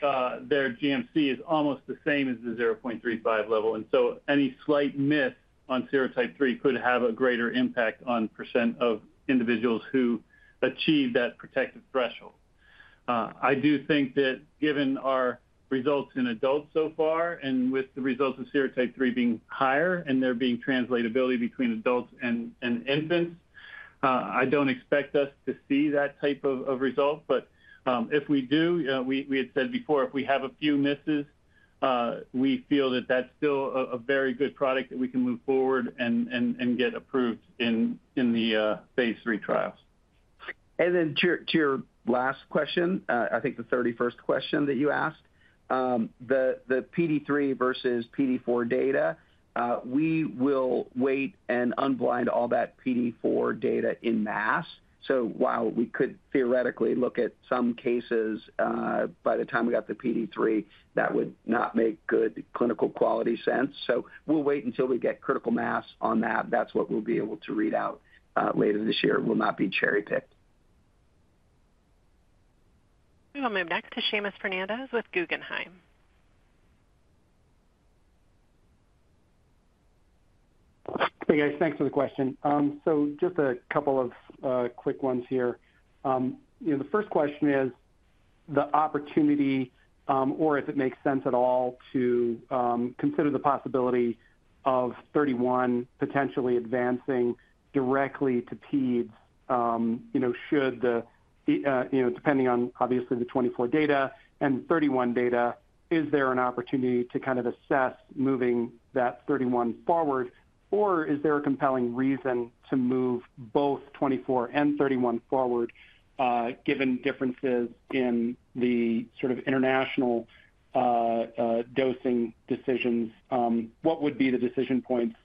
their GMC is almost the same as the 0.35 level, and so any slight miss on serotype 3 could have a greater impact on the percent of individuals who achieve that protective threshold. I do think that given our results in adults so far and with the results of serotype 3 being higher and there being translatability between adults and infants, I don't expect us to see that type of result, but if we do, we had said before, if we have a few misses, we feel that that's still a very good product that we can move forward and get approved in the phase 3 trials. And then to your last question, I think the 31st question that you asked, the PD3 versus PD4 data, we will wait and unblind all that PD4 data in mass. So while we could theoretically look at some cases by the time we got the PD3, that would not make good clinical quality sense. So we'll wait until we get critical mass on that. That's what we'll be able to read out later this year. It will not be cherry-picked. We will move next to Seamus Fernandez with Guggenheim. Hey guys, thanks for the question. So just a couple of quick ones here. You know, the first question is the opportunity, or if it makes sense at all, to consider the possibility of 31 potentially advancing directly to paeds, you know, should the, you know, depending on obviously the 24 data and 31 data, is there an opportunity to kind of assess moving that 31 forward, or is there a compelling reason to move both 24 and 31 forward given differences in the sort of international dosing decisions? What would be the decision points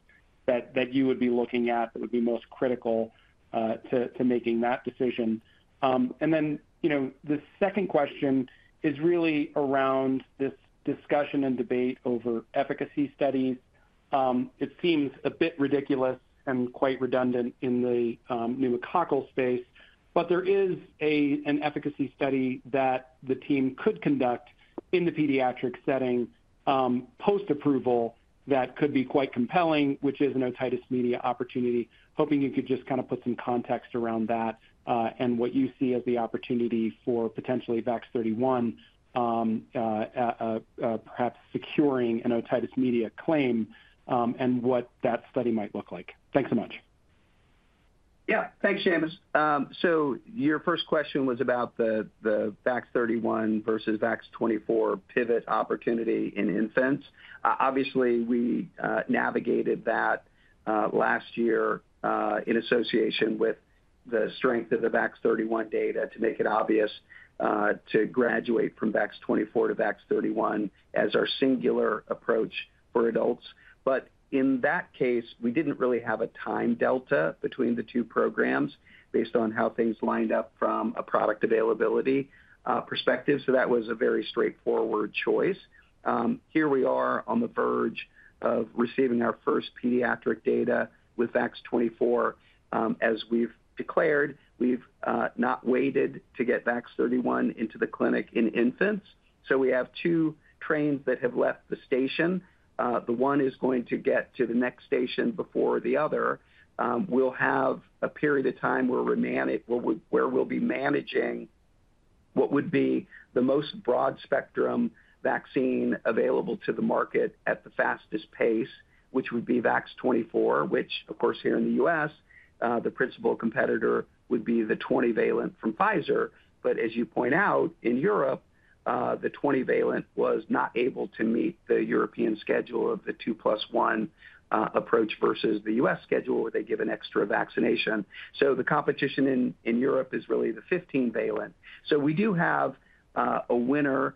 that you would be looking at that would be most critical to making that decision? And then, you know, the second question is really around this discussion and debate over efficacy studies. It seems a bit ridiculous and quite redundant in the pneumococcal space, but there is an efficacy study that the team could conduct in the pediatric setting post-approval that could be quite compelling, which is an otitis media opportunity. Hoping you could just kind of put some context around that and what you see as the opportunity for potentially VAX-31, perhaps securing an otitis media claim and what that study might look like. Thanks so much. Yeah, thanks, Seamus. So your first question was about the VAX-31 versus VAX-24 pivot opportunity in infants. Obviously, we navigated that last year in association with the strength of the VAX-31 data to make it obvious to graduate from VAX-24 to VAX-31 as our singular approach for adults. But in that case, we didn't really have a time delta between the two programs based on how things lined up from a product availability perspective. So that was a very straightforward choice. Here we are on the verge of receiving our first pediatric data with VAX-24. As we've declared, we've not waited to get VAX-31 into the clinic in infants. So we have two trains that have left the station. The one is going to get to the next station before the other. We'll have a period of time where we'll be managing what would be the most broad spectrum vaccine available to the market at the fastest pace, which would be VAX-24, which, of course, here in the U.S., the principal competitor would be the 20-valent from Pfizer. But as you point out, in Europe, the 20-valent was not able to meet the European schedule of the 2 plus 1 approach versus the U.S. schedule where they give an extra vaccination. So the competition in Europe is really the 15-valent. So we do have a winner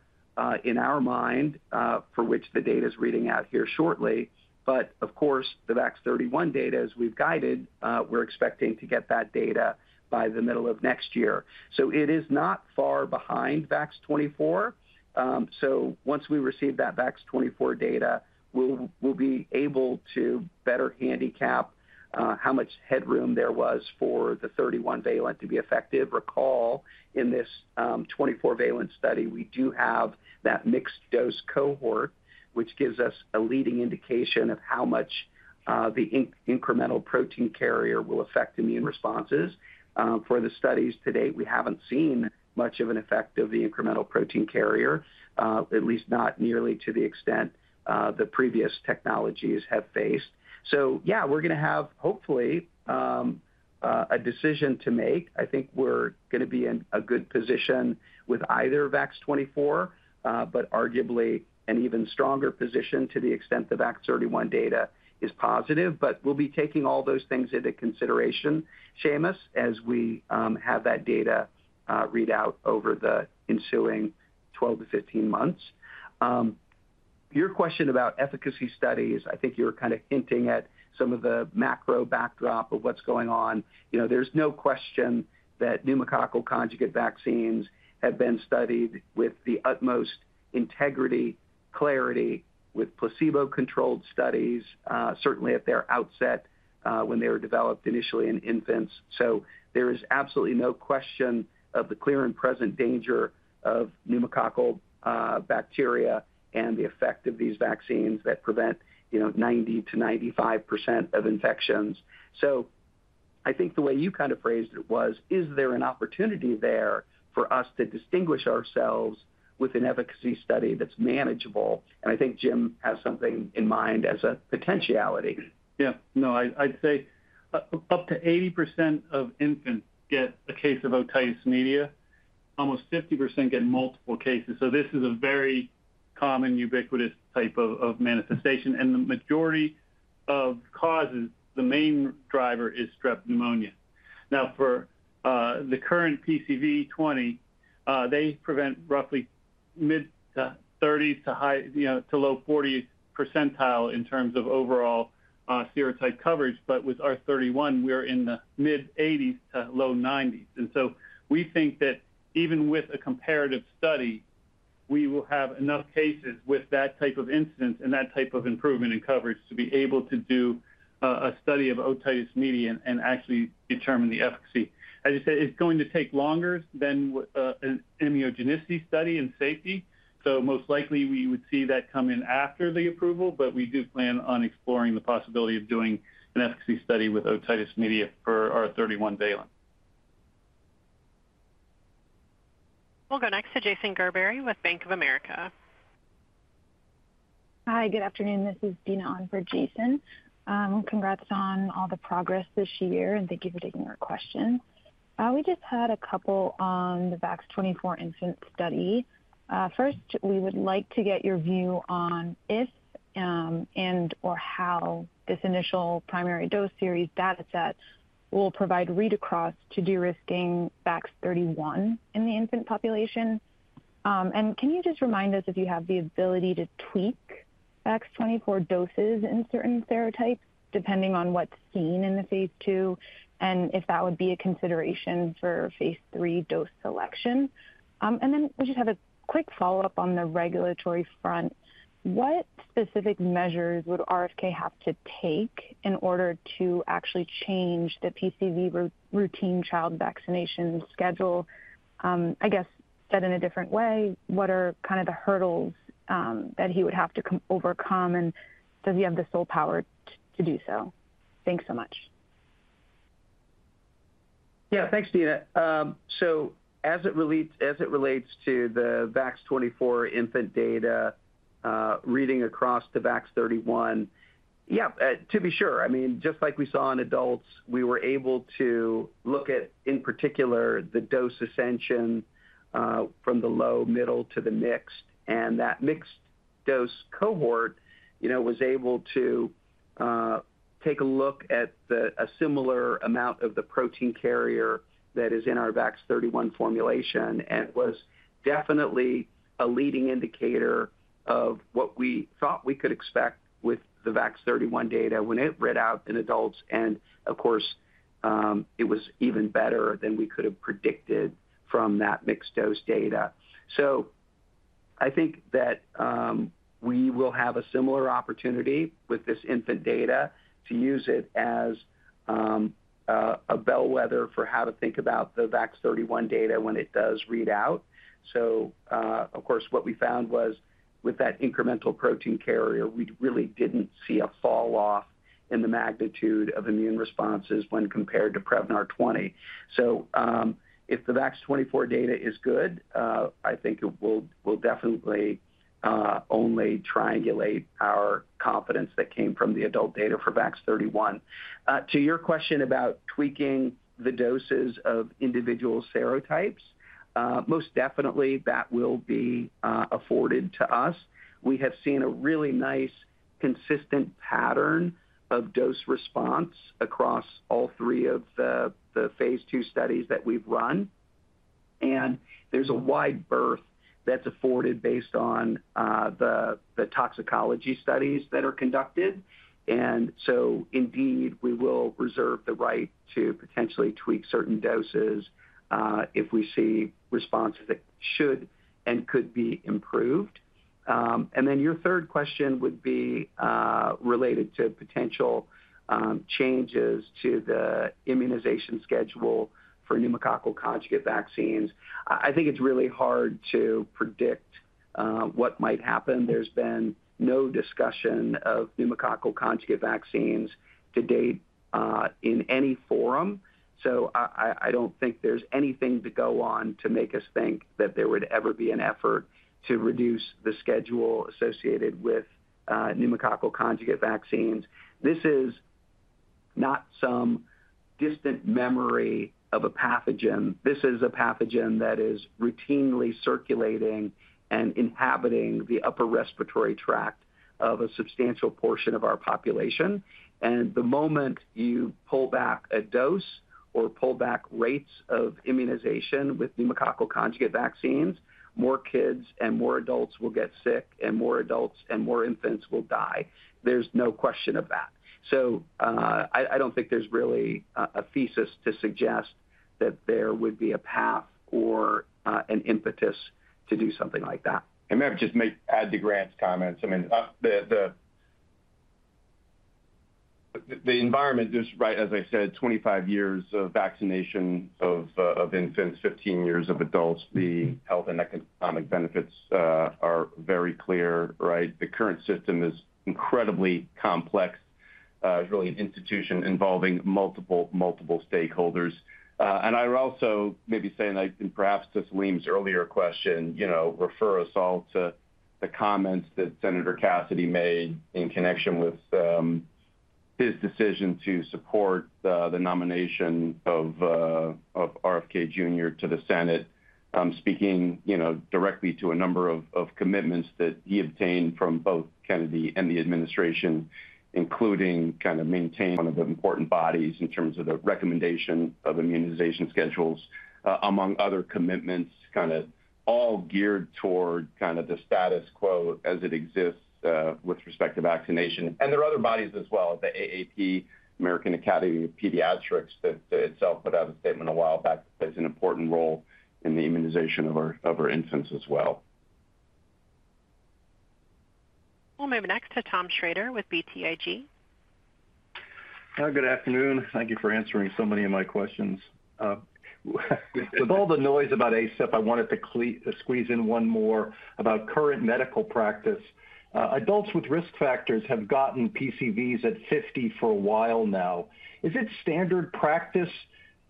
in our mind for which the data is reading out here shortly. But of course, the VAX-31 data, as we've guided, we're expecting to get that data by the middle of next year. So it is not far behind VAX-24. Once we receive that VAX-24 data, we'll be able to better handicap how much headroom there was for the 31-valent to be effective. Recall, in this 24-valent study, we do have that mixed dose cohort, which gives us a leading indication of how much the incremental protein carrier will affect immune responses. For the studies to date, we haven't seen much of an effect of the incremental protein carrier, at least not nearly to the extent the previous technologies have faced. So yeah, we're going to have hopefully a decision to make. I think we're going to be in a good position with either VAX-24, but arguably an even stronger position to the extent the VAX-31 data is positive. But we'll be taking all those things into consideration, Seamus, as we have that data read out over the ensuing 12 to 15 months. Your question about efficacy studies, I think you were kind of hinting at some of the macro backdrop of what's going on. You know, there's no question that pneumococcal conjugate vaccines have been studied with the utmost integrity, clarity, with placebo-controlled studies, certainly at their outset when they were developed initially in infants. So there is absolutely no question of the clear and present danger of pneumococcal bacteria and the effect of these vaccines that prevent, you know, 90%-95% of infections. So I think the way you kind of phrased it was, is there an opportunity there for us to distinguish ourselves with an efficacy study that's manageable? And I think Jim has something in mind as a potentiality. Yeah, no, I'd say up to 80% of infants get a case of otitis media. Almost 50% get multiple cases. So this is a very common, ubiquitous type of manifestation. And the majority of causes, the main driver is Strep pneumoniae. Now, for the current PCV20, they prevent roughly mid-30s to high 30s, you know, to low 40s percentile in terms of overall serotype coverage. But with our 31, we're in the mid-80s to low-90s. And so we think that even with a comparative study, we will have enough cases with that type of incidence and that type of improvement in coverage to be able to do a study of otitis media and actually determine the efficacy. As you said, it's going to take longer than an immunogenicity study in safety. Most likely we would see that come in after the approval, but we do plan on exploring the possibility of doing an efficacy study with otitis media for our 31-valent. We'll go next to Jason Gerberry with Bank of America. Hi, good afternoon. This is Dina on for Jason. Congrats on all the progress this year, and thank you for taking our questions. We just had a couple on the VAX-24 infant study. First, we would like to get your view on if and/or how this initial primary dose series dataset will provide read across to de-risking VAX-31 in the infant population. And can you just remind us if you have the ability to tweak VAX-24 doses in certain serotypes, depending on what's seen in the Phase 2 and if that would be a consideration for Phase 3 dose selection? And then we just have a quick follow-up on the regulatory front. What specific measures would RFK have to take in order to actually change the PCV routine child vaccination schedule? I guess said in a different way, what are kind of the hurdles that he would have to overcome? Does he have the sole power to do so? Thanks so much. Yeah, thanks, Dina, so as it relates to the VAX-24 infant data reading across to VAX-31, yeah, to be sure. I mean, just like we saw in adults, we were able to look at, in particular, the dose escalation from the low, middle, to the mixed. And that mixed dose cohort, you know, was able to take a look at a similar amount of the protein carrier that is in our VAX-31 formulation and was definitely a leading indicator of what we thought we could expect with the VAX-31 data when it read out in adults. And of course, it was even better than we could have predicted from that mixed dose data, so I think that we will have a similar opportunity with this infant data to use it as a bellwether for how to think about the VAX-31 data when it does read out. Of course, what we found was with that incremental protein carrier, we really didn't see a falloff in the magnitude of immune responses when compared to Prevnar 20. So if the VAX-24 data is good, I think it will definitely only triangulate our confidence that came from the adult data for VAX-31. To your question about tweaking the doses of individual serotypes, most definitely that will be afforded to us. We have seen a really nice consistent pattern of dose response across all three of the Phase 2 studies that we've run. And there's a wide berth that's afforded based on the toxicology studies that are conducted. And so indeed, we will reserve the right to potentially tweak certain doses if we see responses that should and could be improved. And then your third question would be related to potential changes to the immunization schedule for pneumococcal conjugate vaccines. I think it's really hard to predict what might happen. There's been no discussion of pneumococcal conjugate vaccines to date in any forum, so I don't think there's anything to go on to make us think that there would ever be an effort to reduce the schedule associated with pneumococcal conjugate vaccines. This is not some distant memory of a pathogen. This is a pathogen that is routinely circulating and inhabiting the upper respiratory tract of a substantial portion of our population, and the moment you pull back a dose or pull back rates of immunization with pneumococcal conjugate vaccines, more kids and more adults will get sick and more adults and more infants will die. There's no question of that, so I don't think there's really a thesis to suggest that there would be a path or an impetus to do something like that. I may just add to Grant's comments. I mean, the environment is, right, as I said, 25 years of vaccination of infants, 15 years of adults. The health and economic benefits are very clear, right? The current system is incredibly complex. It's really an institution involving multiple, multiple stakeholders. And I would also maybe say, and I can perhaps just lean to earlier question, you know, refer us all to the comments that Senator Cassidy made in connection with his decision to support the nomination of RFK Jr. to the Senate, speaking, you know, directly to a number of commitments that he obtained from both Kennedy and the administration, including kind of maintaining one of the important bodies in terms of the recommendation of immunization schedules, among other commitments, kind of all geared toward kind of the status quo as it exists with respect to vaccination. There are other bodies as well, the AAP, American Academy of Pediatrics, that itself put out a statement a while back that plays an important role in the immunization of our infants as well. We'll move next to Tom Shrader with BTIG. Good afternoon. Thank you for answering so many of my questions. With all the noise about ACIP, I wanted to squeeze in one more about current medical practice. Adults with risk factors have gotten PCVs at 50 for a while now. Is it standard practice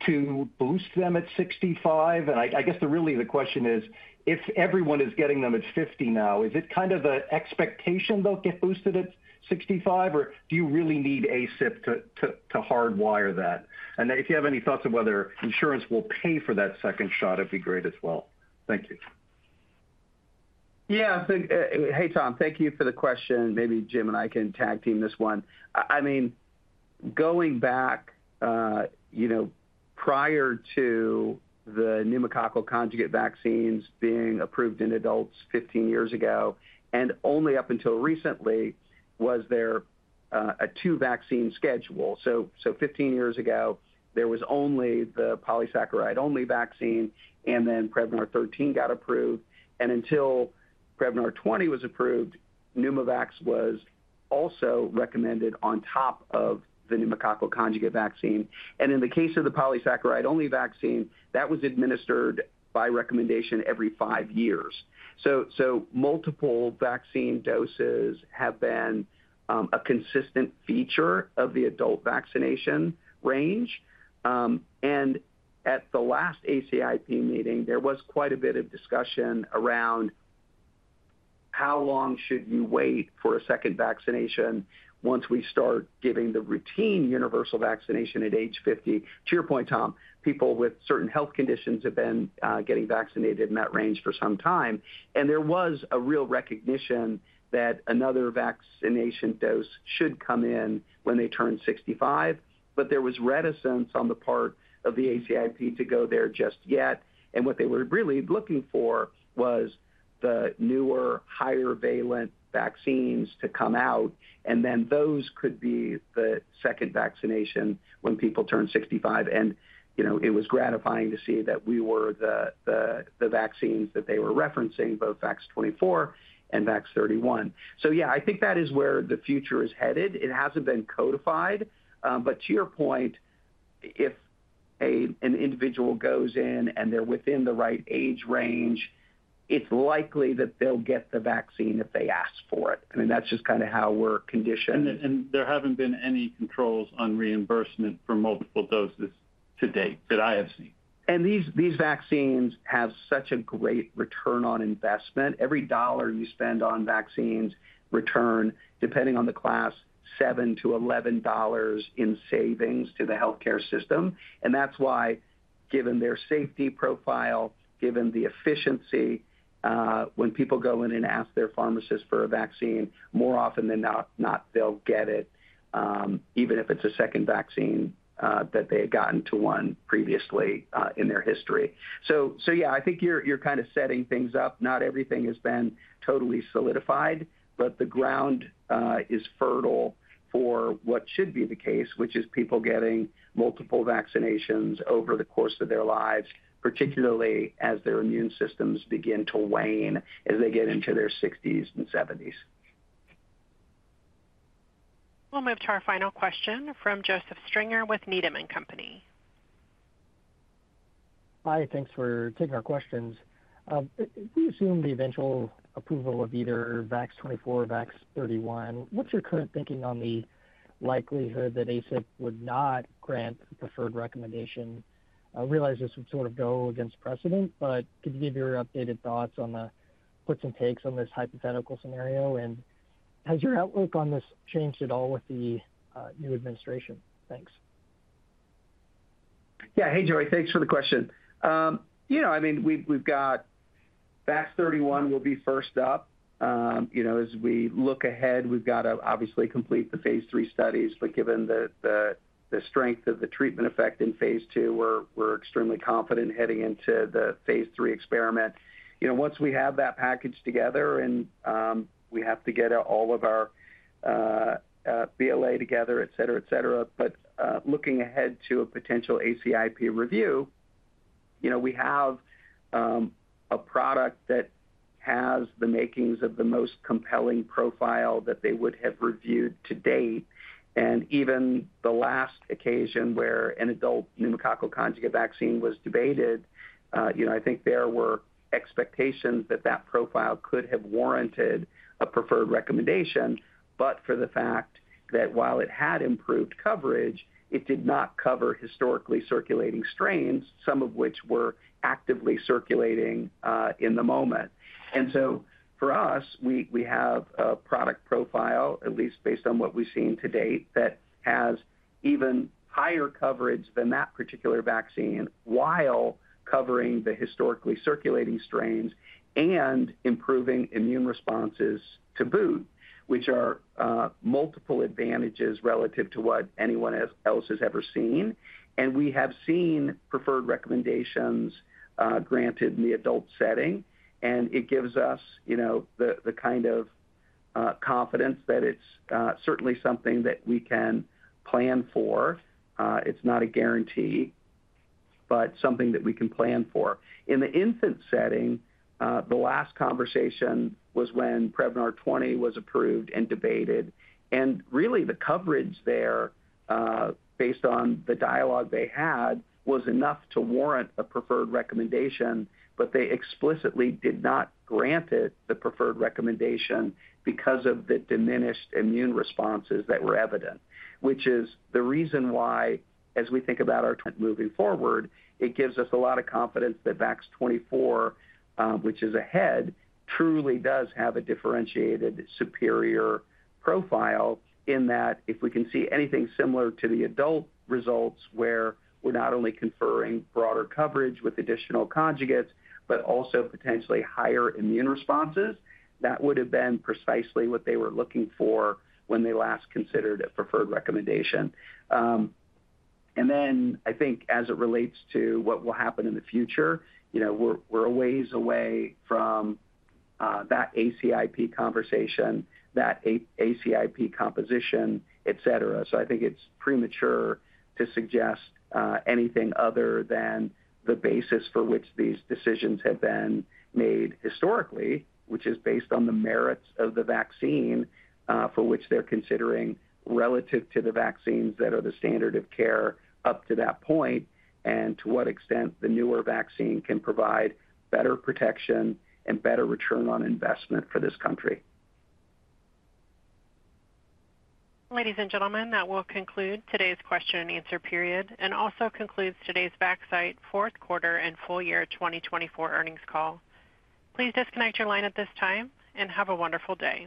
to boost them at 65? And I guess really the question is, if everyone is getting them at 50 now, is it kind of the expectation they'll get boosted at 65, or do you really need ACIP to hardwire that? And if you have any thoughts of whether insurance will pay for that second shot, it'd be great as well. Thank you. Yeah, hey, Tom, thank you for the question. Maybe Jim and I can tag team this one. I mean, going back, you know, prior to the pneumococcal conjugate vaccines being approved in adults 15 years ago, and only up until recently was there a two-vaccine schedule. So 15 years ago, there was only the polysaccharide-only vaccine, and then Prevnar 13 got approved. And until Prevnar 20 was approved, Pneumovax was also recommended on top of the pneumococcal conjugate vaccine. And in the case of the polysaccharide-only vaccine, that was administered by recommendation every five years. So multiple vaccine doses have been a consistent feature of the adult vaccination regimen. And at the last ACIP meeting, there was quite a bit of discussion around how long should you wait for a second vaccination once we start giving the routine universal vaccination at age 50. To your point, Tom, people with certain health conditions have been getting vaccinated in that range for some time. And there was a real recognition that another vaccination dose should come in when they turn 65. But there was reticence on the part of the ACIP to go there just yet. And what they were really looking for was the newer, higher valent vaccines to come out. And then those could be the second vaccination when people turn 65. And, you know, it was gratifying to see that we were the vaccines that they were referencing, both VAX-24 and VAX-31. So yeah, I think that is where the future is headed. It hasn't been codified. But to your point, if an individual goes in and they're within the right age range, it's likely that they'll get the vaccine if they ask for it. I mean, that's just kind of how we're conditioned. There haven't been any controls on reimbursement for multiple doses to date that I have seen. These vaccines have such a great return on investment. Every dollar you spend on vaccines return, depending on the class, $7-$11 in savings to the healthcare system. That's why, given their safety profile, given the efficiency, when people go in and ask their pharmacist for a vaccine, more often than not, they'll get it, even if it's a second vaccine that they had gotten to one previously in their history. Yeah, I think you're kind of setting things up. Not everything has been totally solidified, but the ground is fertile for what should be the case, which is people getting multiple vaccinations over the course of their lives, particularly as their immune systems begin to wane as they get into their 60s and 70s. We'll move to our final question from Joseph Stringer with Needham & Company. Hi, thanks for taking our questions. If we assume the eventual approval of either VAX-24 or VAX-31, what's your current thinking on the likelihood that ACIP would not grant the preferred recommendation? I realize this would sort of go against precedent, but could you give your updated thoughts on the puts and takes on this hypothetical scenario? And has your outlook on this changed at all with the new administration? Thanks. Yeah, hey, Joseph, thanks for the question. You know, I mean, we've got VAX-31 will be first up. You know, as we look ahead, we've got to obviously complete the Phase 3 studies. But given the strength of the treatment effect in Phase 2, we're extremely confident heading into the Phase 3 experiment. You know, once we have that package together and we have to get all of our BLA together, et cetera, et cetera, but looking ahead to a potential ACIP review, you know, we have a product that has the makings of the most compelling profile that they would have reviewed to date, and even the last occasion where an adult pneumococcal conjugate vaccine was debated, you know, I think there were expectations that that profile could have warranted a preferred recommendation. But for the fact that, while it had improved coverage, it did not cover historically circulating strains, some of which were actively circulating in the moment. And so for us, we have a product profile, at least based on what we've seen to date, that has even higher coverage than that particular vaccine while covering the historically circulating strains and improving immune responses to boot, which are multiple advantages relative to what anyone else has ever seen. And we have seen preferred recommendations granted in the adult setting. And it gives us, you know, the kind of confidence that it's certainly something that we can plan for. It's not a guarantee, but something that we can plan for. In the infant setting, the last conversation was when Prevnar 20 was approved and debated. Really, the coverage there, based on the dialogue they had, was enough to warrant a preferred recommendation. But they explicitly did not grant it, the preferred recommendation, because of the diminished immune responses that were evident, which is the reason why, as we think about our moving forward, it gives us a lot of confidence that VAX-24, which is ahead, truly does have a differentiated superior profile in that if we can see anything similar to the adult results where we're not only conferring broader coverage with additional conjugates, but also potentially higher immune responses, that would have been precisely what they were looking for when they last considered a preferred recommendation. Then I think as it relates to what will happen in the future, you know, we're a ways away from that ACIP conversation, that ACIP composition, et cetera. I think it's premature to suggest anything other than the basis for which these decisions have been made historically, which is based on the merits of the vaccine for which they're considering relative to the vaccines that are the standard of care up to that point and to what extent the newer vaccine can provide better protection and better return on investment for this country. Ladies and gentlemen, that will conclude today's question and answer period and also concludes today's Vaxcyte fourth quarter and full year 2024 earnings call. Please disconnect your line at this time and have a wonderful day.